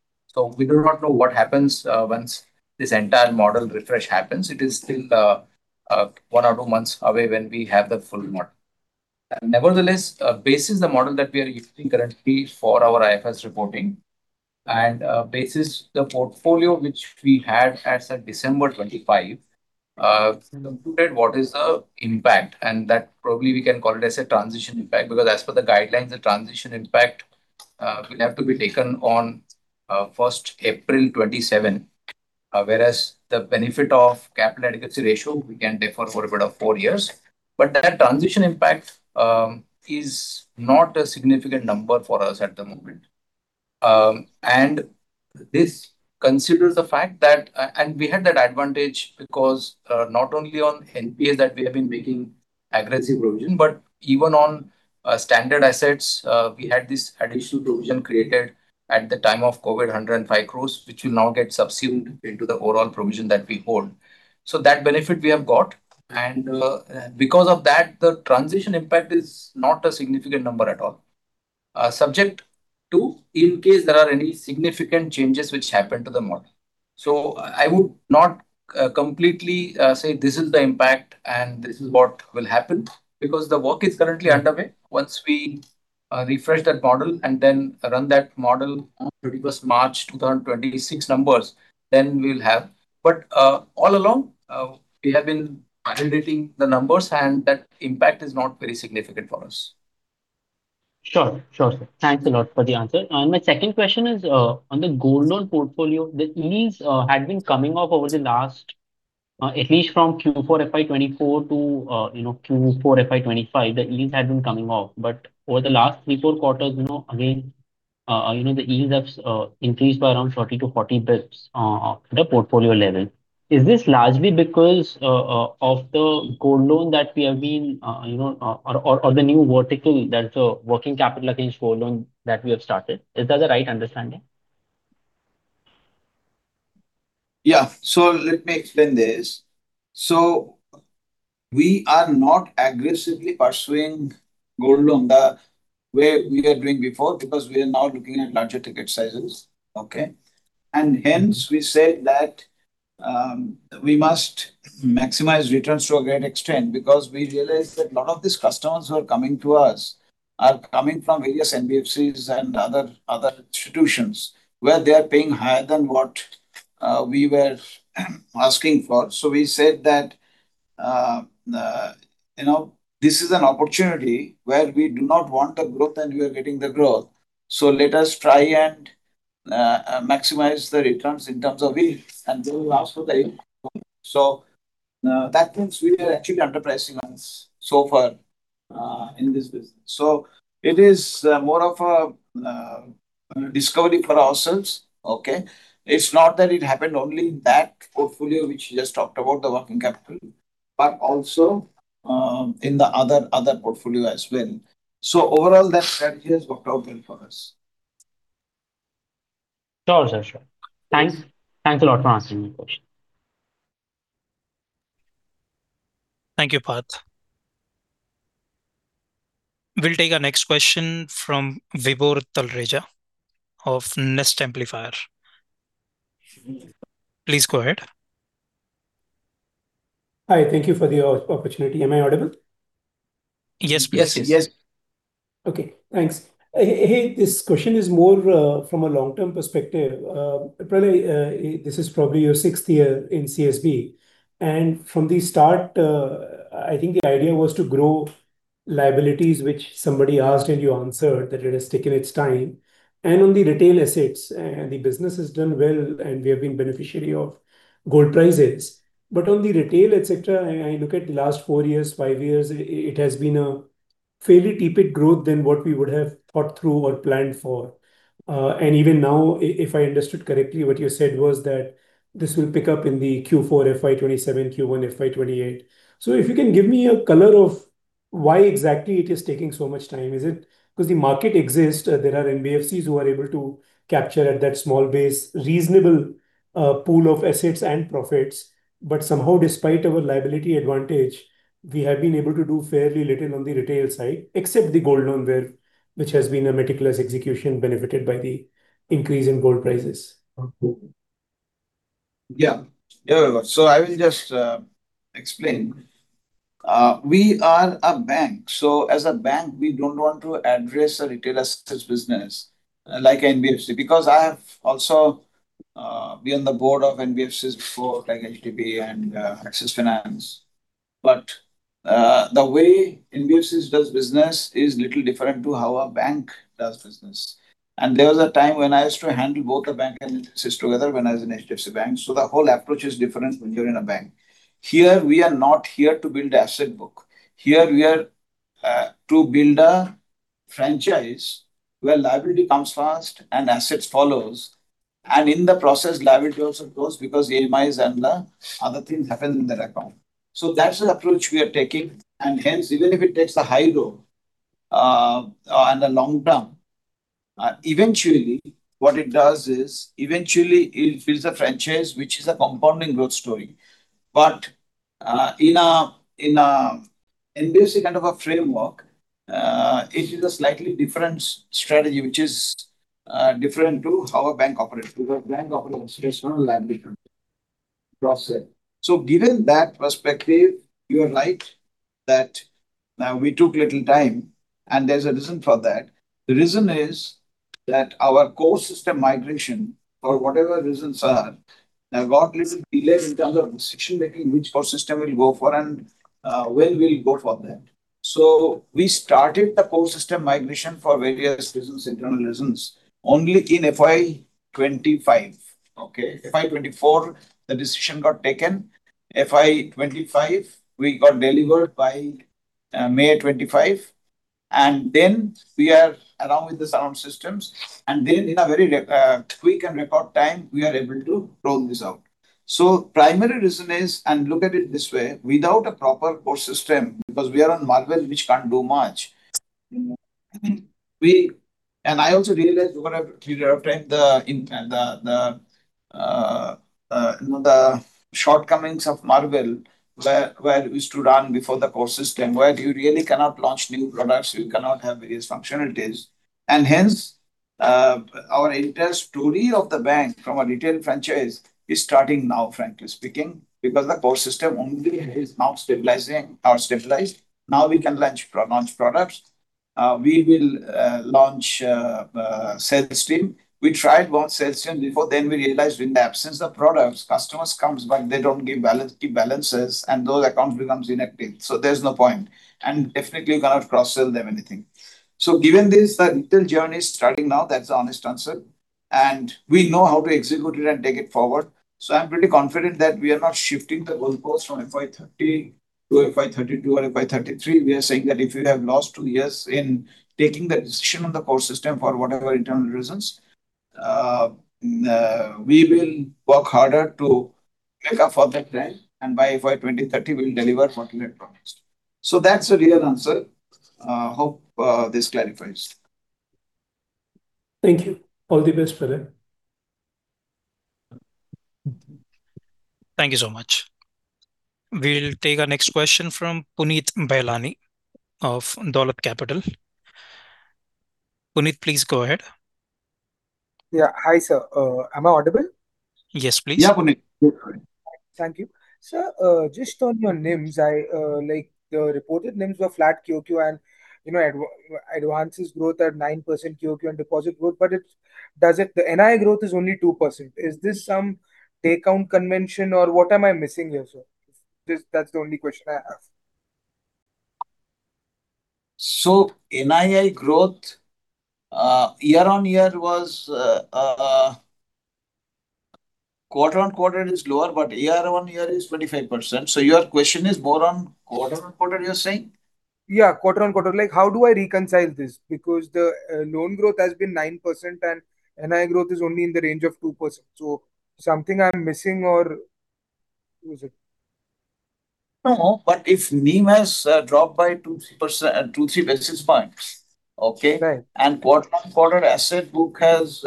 [SPEAKER 7] We do not know what happens once this entire model refresh happens. It is still one or two months away when we have the full model. Nevertheless, basis the model that we are using currently for our IFRS reporting and, basis the portfolio which we had as at December 25, concluded what is the impact, and that probably we can call it as a transition impact, because as per the guidelines, the transition impact will have to be taken on April 1, 2027, whereas the benefit of capital adequacy ratio we can defer for a period of 4 years. That transition impact is not a significant number for us at the moment. This considers the fact that, and we had that advantage because, not only on NPA that we have been making aggressive provision, but even on standard assets, we had this additional provision created at the time of COVID, 105 crores, which will now get subsumed into the overall provision that we hold. That benefit we have got, and because of that, the transition impact is not a significant number at all. Subject to, in case there are any significant changes which happen to the model. I would not completely say this is the impact and this is what will happen because the work is currently underway. Once we refresh that model and then run that model on 31st March to turn 26 numbers, we'll have. All along, we have been undulating the numbers, and that impact is not very significant for us.
[SPEAKER 6] Sure. Sure, sir. Thanks a lot for the answer. My second question is, on the gold loan portfolio, the yields had been coming off over the last, at least from Q4 FY 2024 to, you know, Q4 FY 2025, the yields had been coming off. Over the last three, four quarters, you know, again, you know, the yields have increased by around 30 to 40 basis points, at the portfolio level. Is this largely because of the gold loan that we have been, you know, or, or the new vertical, that's the working capital against gold loan that we have started? Is that the right understanding?
[SPEAKER 3] Yeah. Let me explain this. We are not aggressively pursuing gold loan the way we were doing before because we are now looking at larger ticket sizes. Okay? Hence we said that we must maximize returns to a great extent because we realized that a lot of these customers who are coming to us are coming from various NBFCs and other institutions where they are paying higher than what we were asking for. We said that, you know, this is an opportunity where we do not want the growth, and we are getting the growth. Let us try and maximize the returns in terms of yield until we ask for the yield. That means we are actually underpricing ourselves so far in this business. It is more of a discovery for ourselves. Okay? It's not that it happened only in that portfolio which you just talked about, the working capital, but also, in the other portfolio as well. Overall that has worked out well for us.
[SPEAKER 6] Sure, sir. Sure. Thanks. Thanks a lot for answering my question.
[SPEAKER 1] Thank you, Parth. We'll take our next question from Vibhor Talreja of Nest Amplifier. Please go ahead.
[SPEAKER 8] Hi. Thank you for the opportunity. Am I audible?
[SPEAKER 1] Yes, please.
[SPEAKER 3] Yes. Yes.
[SPEAKER 8] Okay. Thanks. Hey, this question is more from a long-term perspective. Probably, this is probably your sixth year in CSB. From the start, I think the idea was to grow liabilities, which somebody asked and you answered, that it has taken its time. On the retail assets, the business has done well, and we have been beneficiary of gold prices. On the retail, et cetera, I look at the last four years, five years, it has been a fairly tepid growth than what we would have thought through or planned for. Even now, if I understood correctly, what you said was that this will pick up in the Q4 FY 2027, Q1 FY 2028. If you can give me a color of why exactly it is taking so much time. Is it because the market exists, there are NBFCs who are able to capture at that small base, reasonable pool of assets and profits, but somehow, despite our liability advantage, we have been able to do fairly little on the retail side, except the gold loan where, which has been a meticulous execution benefited by the increase in gold prices.
[SPEAKER 3] Yeah. Yeah, Vibhor. I will just explain. We are a bank. As a bank, we don't want to address a retail assets business like NBFC, because I have also been on the board of NBFCs before, like HDB and Axis Finance. The way NBFCs does business is little different to how a bank does business. There was a time when I used to handle both the bank and NBFCs together when I was in HDFC Bank. The whole approach is different when you're in a bank. Here, we are not here to build asset book. Here, we are to build a franchise where liability comes first and assets follows. In the process, liability also grows because EMIs and the other things happen in that account. That's the approach we are taking, and hence even if it takes a high road, in the long term, eventually what it does is, eventually it builds a franchise which is a compounding growth story. In a NBFC kind of a framework, it is a slightly different strategy, which is different to how a bank operates. A bank operates based on liability process. Given that perspective, you are right that we took little time, and there's a reason for that. The reason is that our core system migration, for whatever reasons are, have got little delayed in terms of decision-making which core system we'll go for and when we'll go for that. We started the core system migration for various reasons, internal reasons, only in FY 2025, okay? FY 2024, the decision got taken. FY 2025, we got delivered by May 2025. We are along with the sound systems, and then in a very quick and record time, we are able to roll this out. Primary reason is, and look at it this way, without a proper core system, because we are on Marvel which can't do much, I also realized over a period of time you know, the shortcomings of Marvel where we used to run before the core system, where you really cannot launch new products, you cannot have various functionalities. Hence, our entire story of the bank from a retail franchise is starting now, frankly speaking, because the core system only is now stabilizing or stabilized. Now we can launch products. We will launch sales team. We tried launch sales team before then we realized in the absence of products, customers comes back, they don't give keep balances, and those accounts becomes inactive. There's no point, and definitely you cannot cross-sell them anything. Given this, the retail journey is starting now. That's the honest answer. We know how to execute it and take it forward, so I'm pretty confident that we are not shifting the goalposts from FY 2030 to FY 2032 or FY 2033. We are saying that if we have lost two years in taking the decision on the core system for whatever internal reasons, we will work harder to make up for that time, and by FY 2030 we'll deliver what we had promised. That's the real answer. Hope this clarifies. Thank you. All the best for that.
[SPEAKER 1] Thank you so much. We'll take our next question from Puneet Bailani of Dolat Capital. Puneet, please go ahead.
[SPEAKER 9] Yeah. Hi, sir. Am I audible?
[SPEAKER 1] Yes, please.
[SPEAKER 3] Yeah, Puneet. Go ahead.
[SPEAKER 9] Thank you. Sir, just on your NIMs, the reported NIMs were flat QOQ and advances growth are 9% QOQ on deposit growth. The NII growth is only 2%. Is this some take-home convention or what am I missing here, sir? That's the only question I have.
[SPEAKER 3] NII growth, year-on-year was quarter-on-quarter is lower, but year-on-year is 25%. Your question is more on quarter-on-quarter, you're saying?
[SPEAKER 9] Yeah, quarter-on-quarter. Like, how do I reconcile this? The loan growth has been 9% and NII growth is only in the range of 2%. Something I'm missing or what is it?
[SPEAKER 3] No, if NIM has dropped by two, three basis points, okay?
[SPEAKER 9] Right.
[SPEAKER 3] Quarter-on-quarter asset book has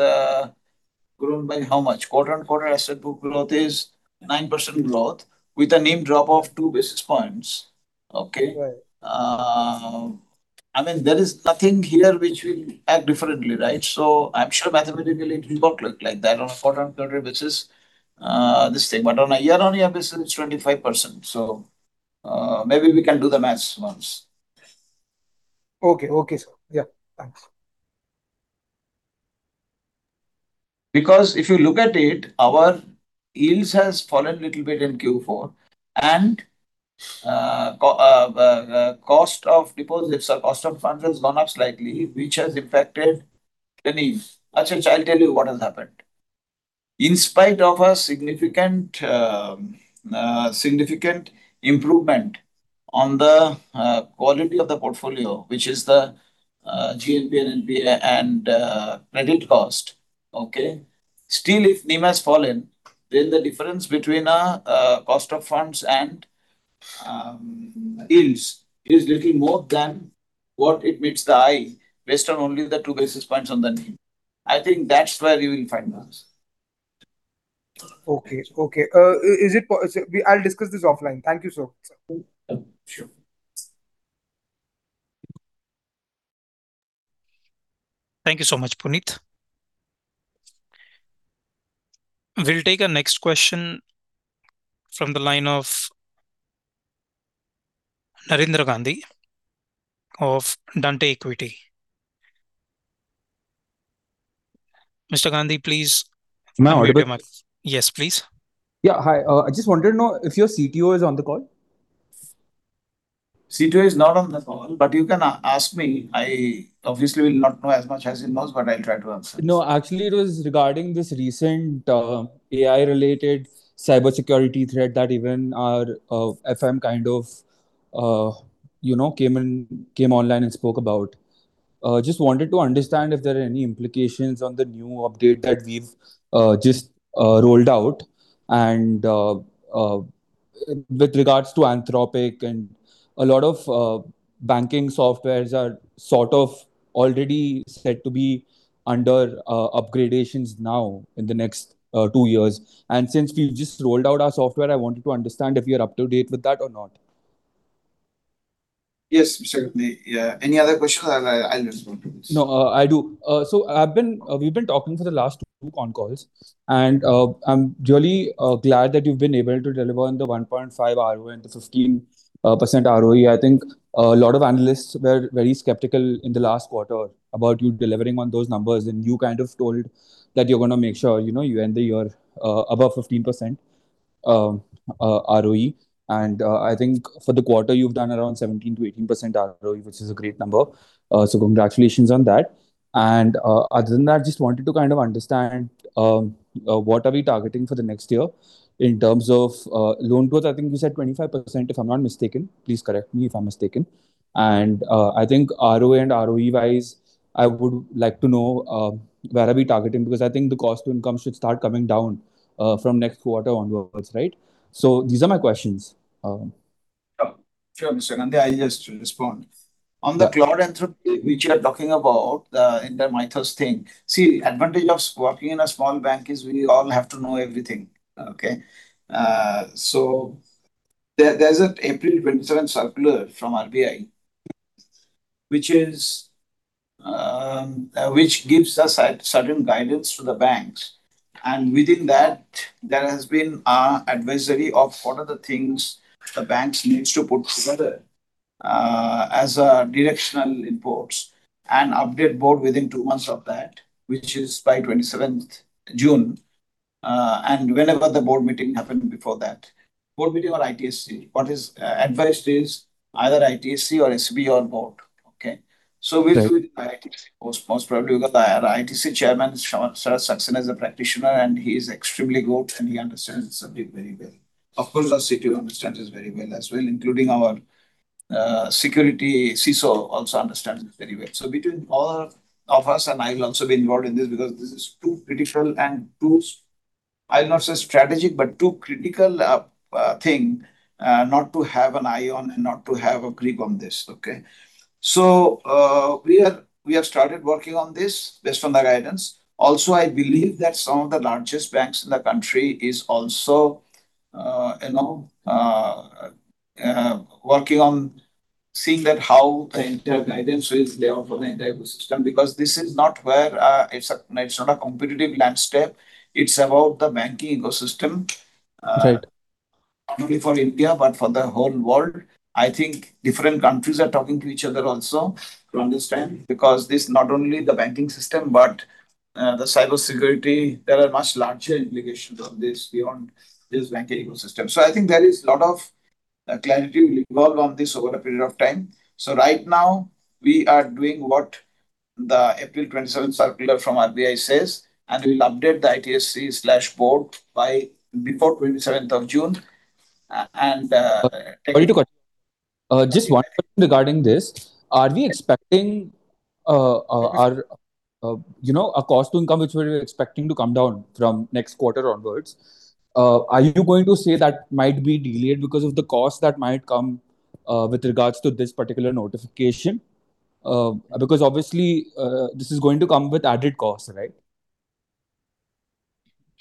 [SPEAKER 3] grown by how much? Quarter-on-quarter asset book growth is 9% growth with a NIM drop of 2 basis points. Okay?
[SPEAKER 9] Right.
[SPEAKER 3] I mean, there is nothing here which will act differently, right? I'm sure mathematically it will not look like that on a quarter-on-quarter basis, this thing. On a year-on-year basis, it's 25%. Maybe we can do the maths once.
[SPEAKER 9] Okay. Okay, sir. Yeah. Thanks.
[SPEAKER 3] If you look at it, our yields has fallen little bit in Q4, cost of deposits or cost of funds has gone up slightly, which has impacted the NIM. I'll tell you what has happened. In spite of a significant improvement on the quality of the portfolio, which is the GNPA, NPA and credit cost, okay. If NIM has fallen, then the difference between cost of funds and yields is little more than what it meets the eye based on only the 2 basis points on the NIM. I think that's where you will find the answer.
[SPEAKER 9] Okay. Okay. I'll discuss this offline. Thank you, sir.
[SPEAKER 3] Sure.
[SPEAKER 1] Thank you so much, Puneet. We'll take our next question from the line of [Narendra Gandhi] of Nalanda Equity. Mr. Gandhi, please.
[SPEAKER 10] Now-
[SPEAKER 1] Yes, please.
[SPEAKER 10] Yeah, hi. I just wanted to know if your CTO is on the call?
[SPEAKER 3] CTO is not on the call, but you can ask me. I obviously will not know as much as he knows, but I'll try to answer.
[SPEAKER 10] No, actually it was regarding this recent AI related cybersecurity threat that even our FM kind of, you know, came in, came online and spoke about. Just wanted to understand if there are any implications on the new update that we've just rolled out and, with regards to Anthropic and a lot of banking softwares are sort of already said to be under upgradations now in the next two years. Since we've just rolled out our software, I wanted to understand if you're up to date with that or not?
[SPEAKER 3] Yes, certainly. Yeah. Any other questions, or I'll respond to this.
[SPEAKER 10] I do. So we've been talking for the last two con calls and I'm really glad that you've been able to deliver on the 1.5 ROA and the 15% ROE. I think a lot of analysts were very skeptical in the last quarter about you delivering on those numbers, and you kind of told that you're gonna make sure, you know, you end the year above 15% ROE. I think for the quarter, you've done around 17-18% ROE, which is a great number. Congratulations on that. Other than that, just wanted to kind of understand what are we targeting for the next year in terms of loan growth. I think you said 25%, if I'm not mistaken. Please correct me if I'm mistaken. I think ROA and ROE wise, I would like to know, where are we targeting, because I think the cost to income should start coming down, from next quarter onwards, right? These are my questions.
[SPEAKER 3] Sure. Sure, Mr. Gandhi. I'll just respond.
[SPEAKER 10] Yeah.
[SPEAKER 3] On the Claude, Anthropic, which you are talking about, the entire Mythos thing. See, advantage of working in a small bank is we all have to know everything. Okay? There's an April 27th circular from RBI, which gives us certain guidance to the banks. Within that, there has been an advisory of what are the things the banks needs to put together as directional inputs and update board within 2 months of that, which is by 27th June, and whenever the board meeting happened before that. Board meeting or ITSC. What is advised is either ITSC or SB or board. Okay?
[SPEAKER 10] Right.
[SPEAKER 3] We'll do it by ITSC most probably, because our ITSC chairman, Sharad Saxena, is a practitioner, and he is extremely good, and he understands the subject very well. Of course, our CTO understands this very well as well, including our security CISO also understands this very well. Between all of us, and I'll also be involved in this because this is too critical and too, I'll not say strategic, but too critical thing not to have an eye on and not to have a grip on this. Okay. We have started working on this based on the guidance. Also, I believe that some of the largest banks in the country is also, you know, working on seeing that how the entire guidance is there for the entire ecosystem, because this is not where, it's not a competitive landscape. It's about the banking ecosystem.
[SPEAKER 10] Right
[SPEAKER 3] not only for India, but for the whole world. I think different countries are talking to each other also to understand, because this not only the banking system, but the cybersecurity, there are much larger implications of this beyond this banking ecosystem. I think there is lot of clarity will evolve on this over a period of time. Right now, we are doing what the April 27th circular from RBI says, and we'll update the ITSC/board by before 27th of June.
[SPEAKER 10] Sorry to cut. Just 1 question regarding this. Are we expecting, our, you know, our cost to income, which we're expecting to come down from next quarter onwards, are you going to say that might be delayed because of the cost that might come with regards to this particular notification? Because obviously, this is going to come with added cost, right?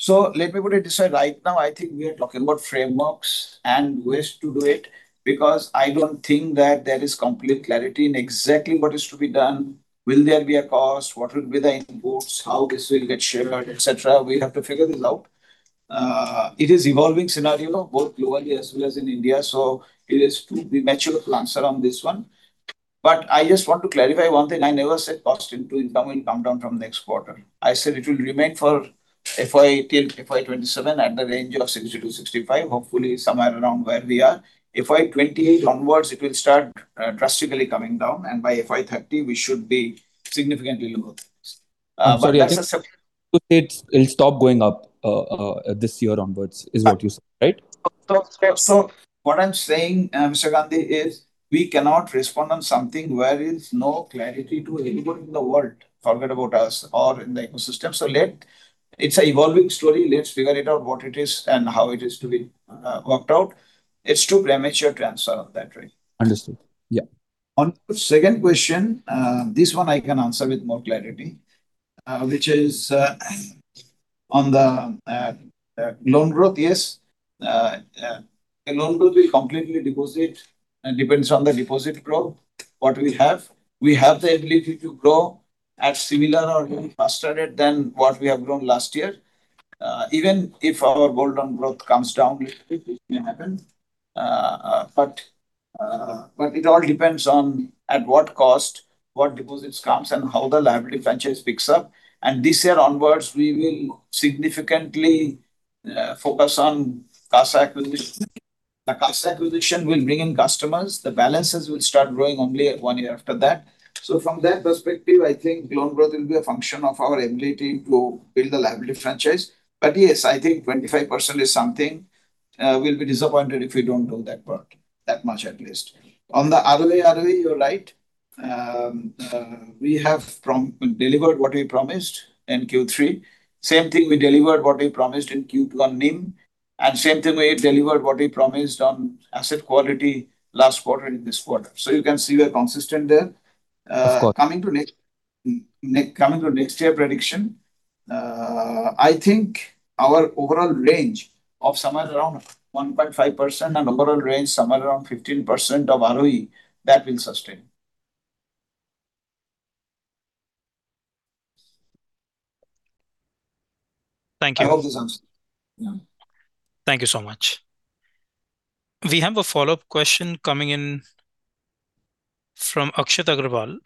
[SPEAKER 3] Let me put it this way. Right now, I think we are talking about frameworks and ways to do it, because I don't think that there is complete clarity in exactly what is to be done. Will there be a cost? What will be the inputs? How this will get shared, et cetera. We have to figure this out. It is evolving scenario both globally as well as in India, it is too premature to answer on this one. I just want to clarify one thing. I never said cost into income will come down from next quarter. I said it will remain for FY till FY 2027 at the range of 60-65, hopefully somewhere around where we are. FY 2028 onwards, it will start drastically coming down, by FY 2030, we should be significantly lower.
[SPEAKER 10] I'm sorry. You think it'll stop going up, this year onwards, is what you said, right?
[SPEAKER 3] What I'm saying, Mr. Gandhi, is we cannot respond on something where is no clarity to anyone in the world, forget about us or in the ecosystem. It's a evolving story. Let's figure it out, what it is and how it is to be worked out. It's too premature to answer on that, right?
[SPEAKER 10] Understood. Yeah.
[SPEAKER 3] On your second question, this one I can answer with more clarity, which is, On the loan growth, yes. The loan growth will completely depends on the deposit growth, what we have. We have the ability to grow at similar or even faster rate than what we have grown last year. Even if our gold loan growth comes down a little bit, which may happen, it all depends on at what cost, what deposits comes, and how the liability franchise picks up. This year onwards, we will significantly focus on CASA acquisition. The CASA acquisition will bring in customers. The balances will start growing only at one year after that. From that perspective, I think loan growth will be a function of our ability to build the liability franchise. Yes, I think 25% is something, we'll be disappointed if we don't do that part, that much at least. On the ROA, ROE, you're right. We have delivered what we promised in Q3. Same thing, we delivered what we promised in Q1 NIM. Same thing, we delivered what we promised on asset quality last quarter and this quarter. You can see we are consistent there. Of course. Coming to next year prediction, I think our overall range of somewhere around 1.5% and overall range somewhere around 15% of ROE, that will sustain.
[SPEAKER 10] Thank you.
[SPEAKER 3] I hope this answers.
[SPEAKER 1] Thank you so much. We have a follow-up question coming in from Akshat Agrawal.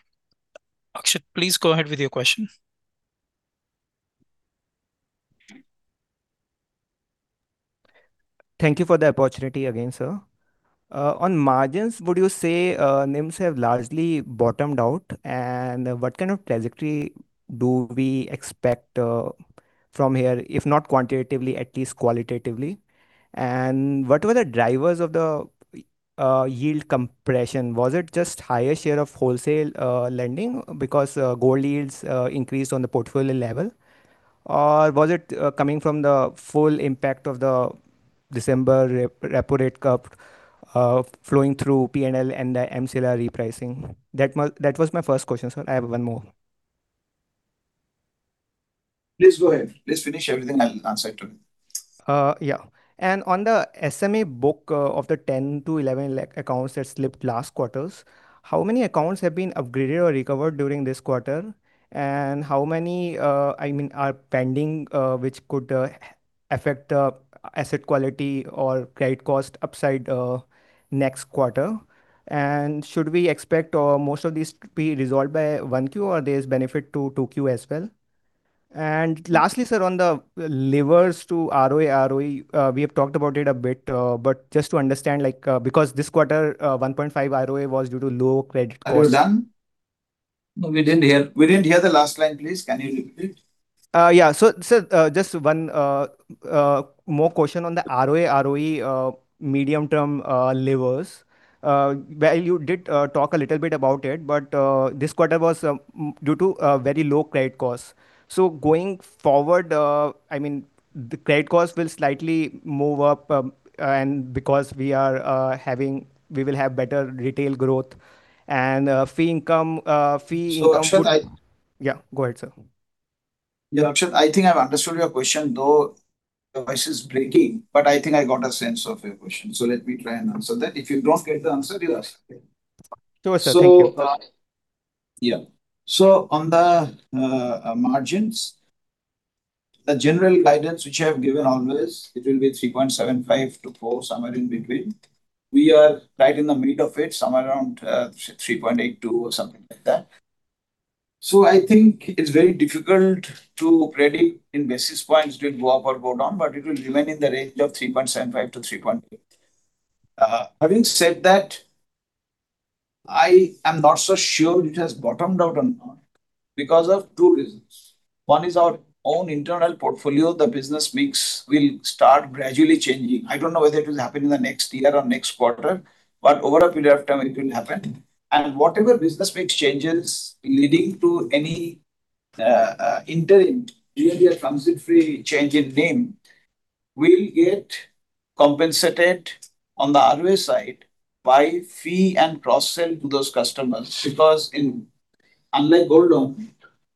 [SPEAKER 1] Akshat, please go ahead with your question.
[SPEAKER 5] Thank you for the opportunity again, sir. On margins, would you say, NIMs have largely bottomed out? What kind of trajectory do we expect, from here, if not quantitatively, at least qualitatively? What were the drivers of the, yield compression? Was it just higher share of wholesale, lending because, gold yields, increased on the portfolio level? Or was it, coming from the full impact of the December repo rate cup, flowing through P&L and the MCLR repricing? That was my first question, sir. I have one more.
[SPEAKER 3] Please go ahead. Please finish everything. I'll answer it to you.
[SPEAKER 5] Yeah. On the SME book, of the 10 lakh - 11 lakh accounts that slipped last quarters, how many accounts have been upgraded or recovered during this quarter? How many, I mean, are pending, which could affect asset quality or credit cost upside next quarter? Should we expect most of these to be resolved by 1Q, or there's benefit to 2Q as well? Lastly, sir, on the levers to ROA, ROE, we have talked about it a bit, but just to understand, like, because this quarter, 1.5 ROA was due to low credit costs.
[SPEAKER 3] Are you done? No, we didn't hear the last line. Please, can you repeat?
[SPEAKER 5] Yeah. Sir, just one more question on the ROA, ROE, medium-term levers. Where you did talk a little bit about it, but this quarter was due to a very low credit cost. Going forward, I mean, the credit cost will slightly move up, and because we will have better retail growth and fee income should.
[SPEAKER 3] Akshat,
[SPEAKER 5] Yeah, go ahead, sir.
[SPEAKER 3] Yeah, Akshat, I think I've understood your question, though your voice is breaking, but I think I got a sense of your question, so let me try and answer that. If you don't get the answer, you ask again.
[SPEAKER 5] Sure, sir. Thank you.
[SPEAKER 3] Yeah. On the margins, the general guidance which I have given always, it will be 3.75% to 4%, somewhere in between. We are right in the mid of it, somewhere around 3.82% or something like that. I think it's very difficult to predict in basis points it will go up or go down, but it will remain in the range of 3.75% to 3.8%. Having said that, I am not so sure it has bottomed out or not because of 2 reasons. One is our own internal portfolio, the business mix will start gradually changing. I don't know whether it will happen in the next year or next quarter, but over a period of time, it will happen. Whatever business mix changes leading to any interim, really a transitory change in NIM, we'll get compensated on the ROA side by fee and cross-sell to those customers. Because in, unlike gold loan,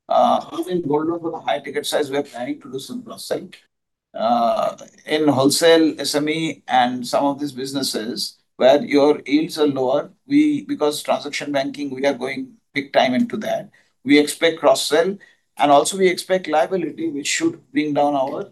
[SPEAKER 3] having gold loan with a high ticket size, we are planning to do some cross-sell. In wholesale, SME, and some of these businesses where your yields are lower, because transaction banking, we are going big time into that. We expect cross-sell, and also we expect liability, which should bring down our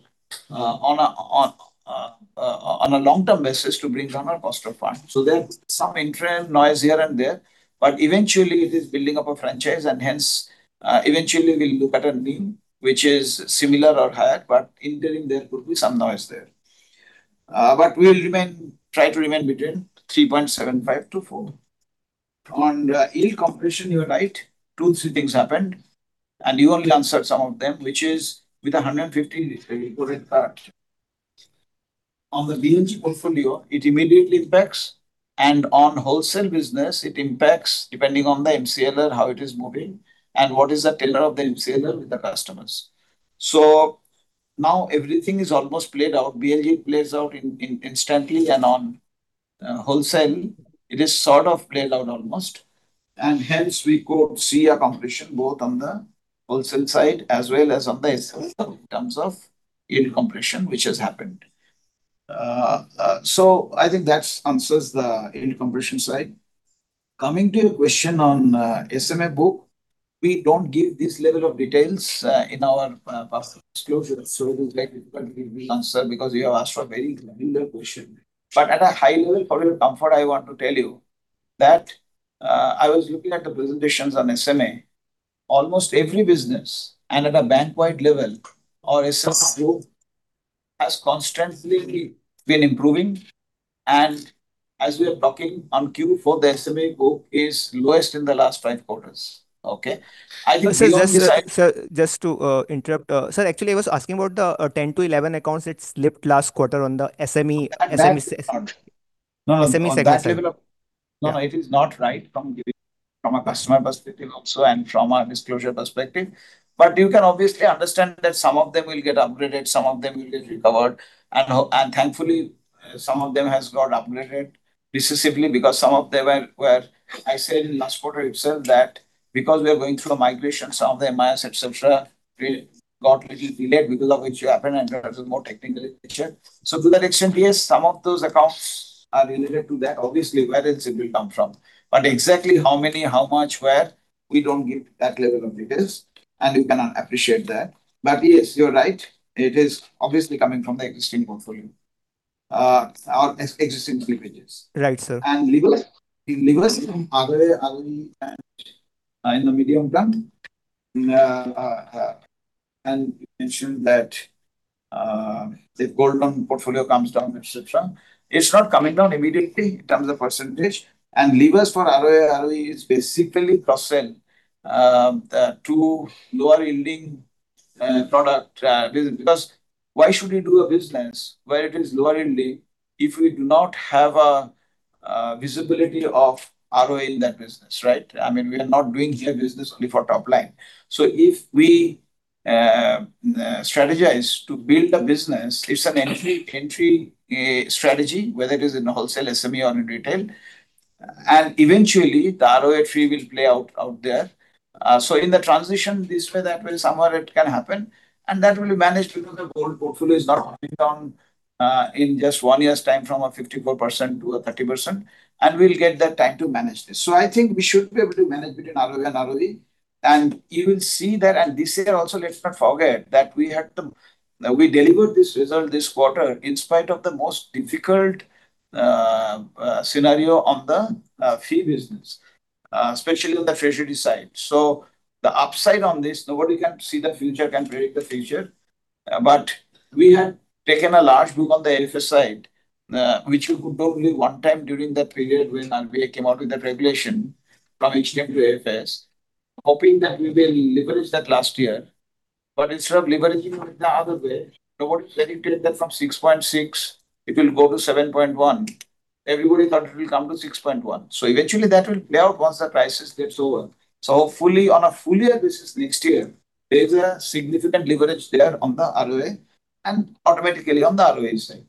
[SPEAKER 3] on a long-term basis to bring down our cost of fund. There's some interim noise here and there, but eventually it is building up a franchise and hence, eventually we'll look at a NIM which is similar or higher, but interim, there could be some noise there. We'll remain, try to remain between 3.75%-4%. On yield compression, you're right. 2, 3 things happened, you only answered some of them, which is with a 150 repo rate cut. On the BLG portfolio, it immediately impacts, wholesale business, it impacts depending on the MCLR, how it is moving, and what is the tailor of the MCLR with the customers. Now everything is almost played out. BLG plays out in, instantly wholesale, it is sort of played out almost, hence we could see a compression both on the wholesale side as well as on the SME side in terms of yield compression, which has happened. I think that answers the yield compression side. Coming to your question on SMA book, we don't give this level of details in our past disclosures, so it is very difficult to give you answer because you have asked for a very granular question. But at a high level, for your comfort, I want to tell you that I was looking at the presentations on SMA. Almost every business and at a bank-wide level, our SMA group has constantly been improving. As we are talking on Q4, the SMA book is lowest in the last 5 quarters. Okay?
[SPEAKER 5] Sir, just to interrupt. Sir, actually, I was asking about the 10 to 11 accounts, it slipped last quarter on the SME.
[SPEAKER 3] That's not
[SPEAKER 5] SME segment, sir.
[SPEAKER 3] No, no. At that level of. No, no, it is not right from giving, from a customer perspective also and from a disclosure perspective. You can obviously understand that some of them will get upgraded, some of them will get recovered. Thankfully, some of them has got upgraded recessively because some of them were I said in last quarter itself that because we are going through a migration, some of the MIS, et cetera, we got little delayed because of which you happen and there is more technical issue. To that extent, yes, some of those accounts are related to that. Obviously, where else it will come from? Exactly how many, how much, where, we don't give that level of details, and we cannot appreciate that. Yes, you're right, it is obviously coming from the existing portfolio, or existing privileges.
[SPEAKER 5] Right, sir.
[SPEAKER 3] and in the medium term, and you mentioned that the gold loan portfolio comes down, et cetera. It's not coming down immediately in terms of percentage. Levers for ROE is basically cross-sell to lower-yielding product business. Why should we do a business where it is lower yielding if we do not have a visibility of ROE in that business, right? I mean, we are not doing here business only for top line. If we strategize to build a business, it's an entry strategy, whether it is in wholesale, SME or in retail. Eventually, the ROE fee will play out there. In the transition this way, that way, somewhere it can happen, and that will be managed because the gold portfolio is not coming down in just one year's time from a 54% to a 30%, and we'll get that time to manage this. I think we should be able to manage between ROE and ROE. You will see that, and this year also, let's not forget that we had to, we delivered this result this quarter in spite of the most difficult scenario on the fee business, especially on the treasury side. The upside on this, nobody can see the future, can predict the future. We had taken a large book on the AFS side, which we could do only one time during that period when RBI came out with that regulation from HTM to AFS, hoping that we will leverage that last year. Instead of leveraging it the other way, nobody predicted that from 6.6 it will go to 7.1. Everybody thought it will come to 6.1. Eventually, that will play out once the crisis gets over. Hopefully, on a full year basis next year, there's a significant leverage there on the ROA and automatically on the ROE side.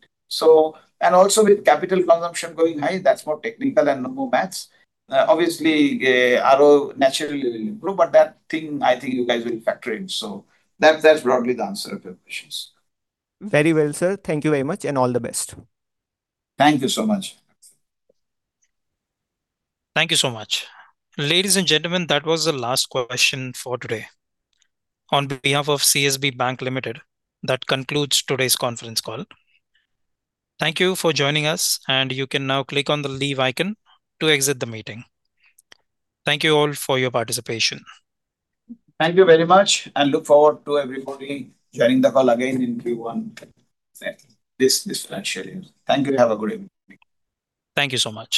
[SPEAKER 3] Also with capital consumption going high, that's more technical and no more maths. Obviously, ROE naturally will improve, that thing, I think you guys will factor in. That, that's broadly the answer of your questions.
[SPEAKER 5] Very well, sir. Thank you very much and all the best.
[SPEAKER 3] Thank you so much.
[SPEAKER 1] Thank you so much. Ladies and gentlemen, that was the last question for today. On behalf of CSB Bank Limited, that concludes today's conference call. Thank you for joining us, and you can now click on the leave icon to exit the meeting. Thank you all for your participation.
[SPEAKER 3] Thank you very much. Look forward to everybody joining the call again in Q1, this financial year. Thank you. Have a good evening.
[SPEAKER 1] Thank you so much.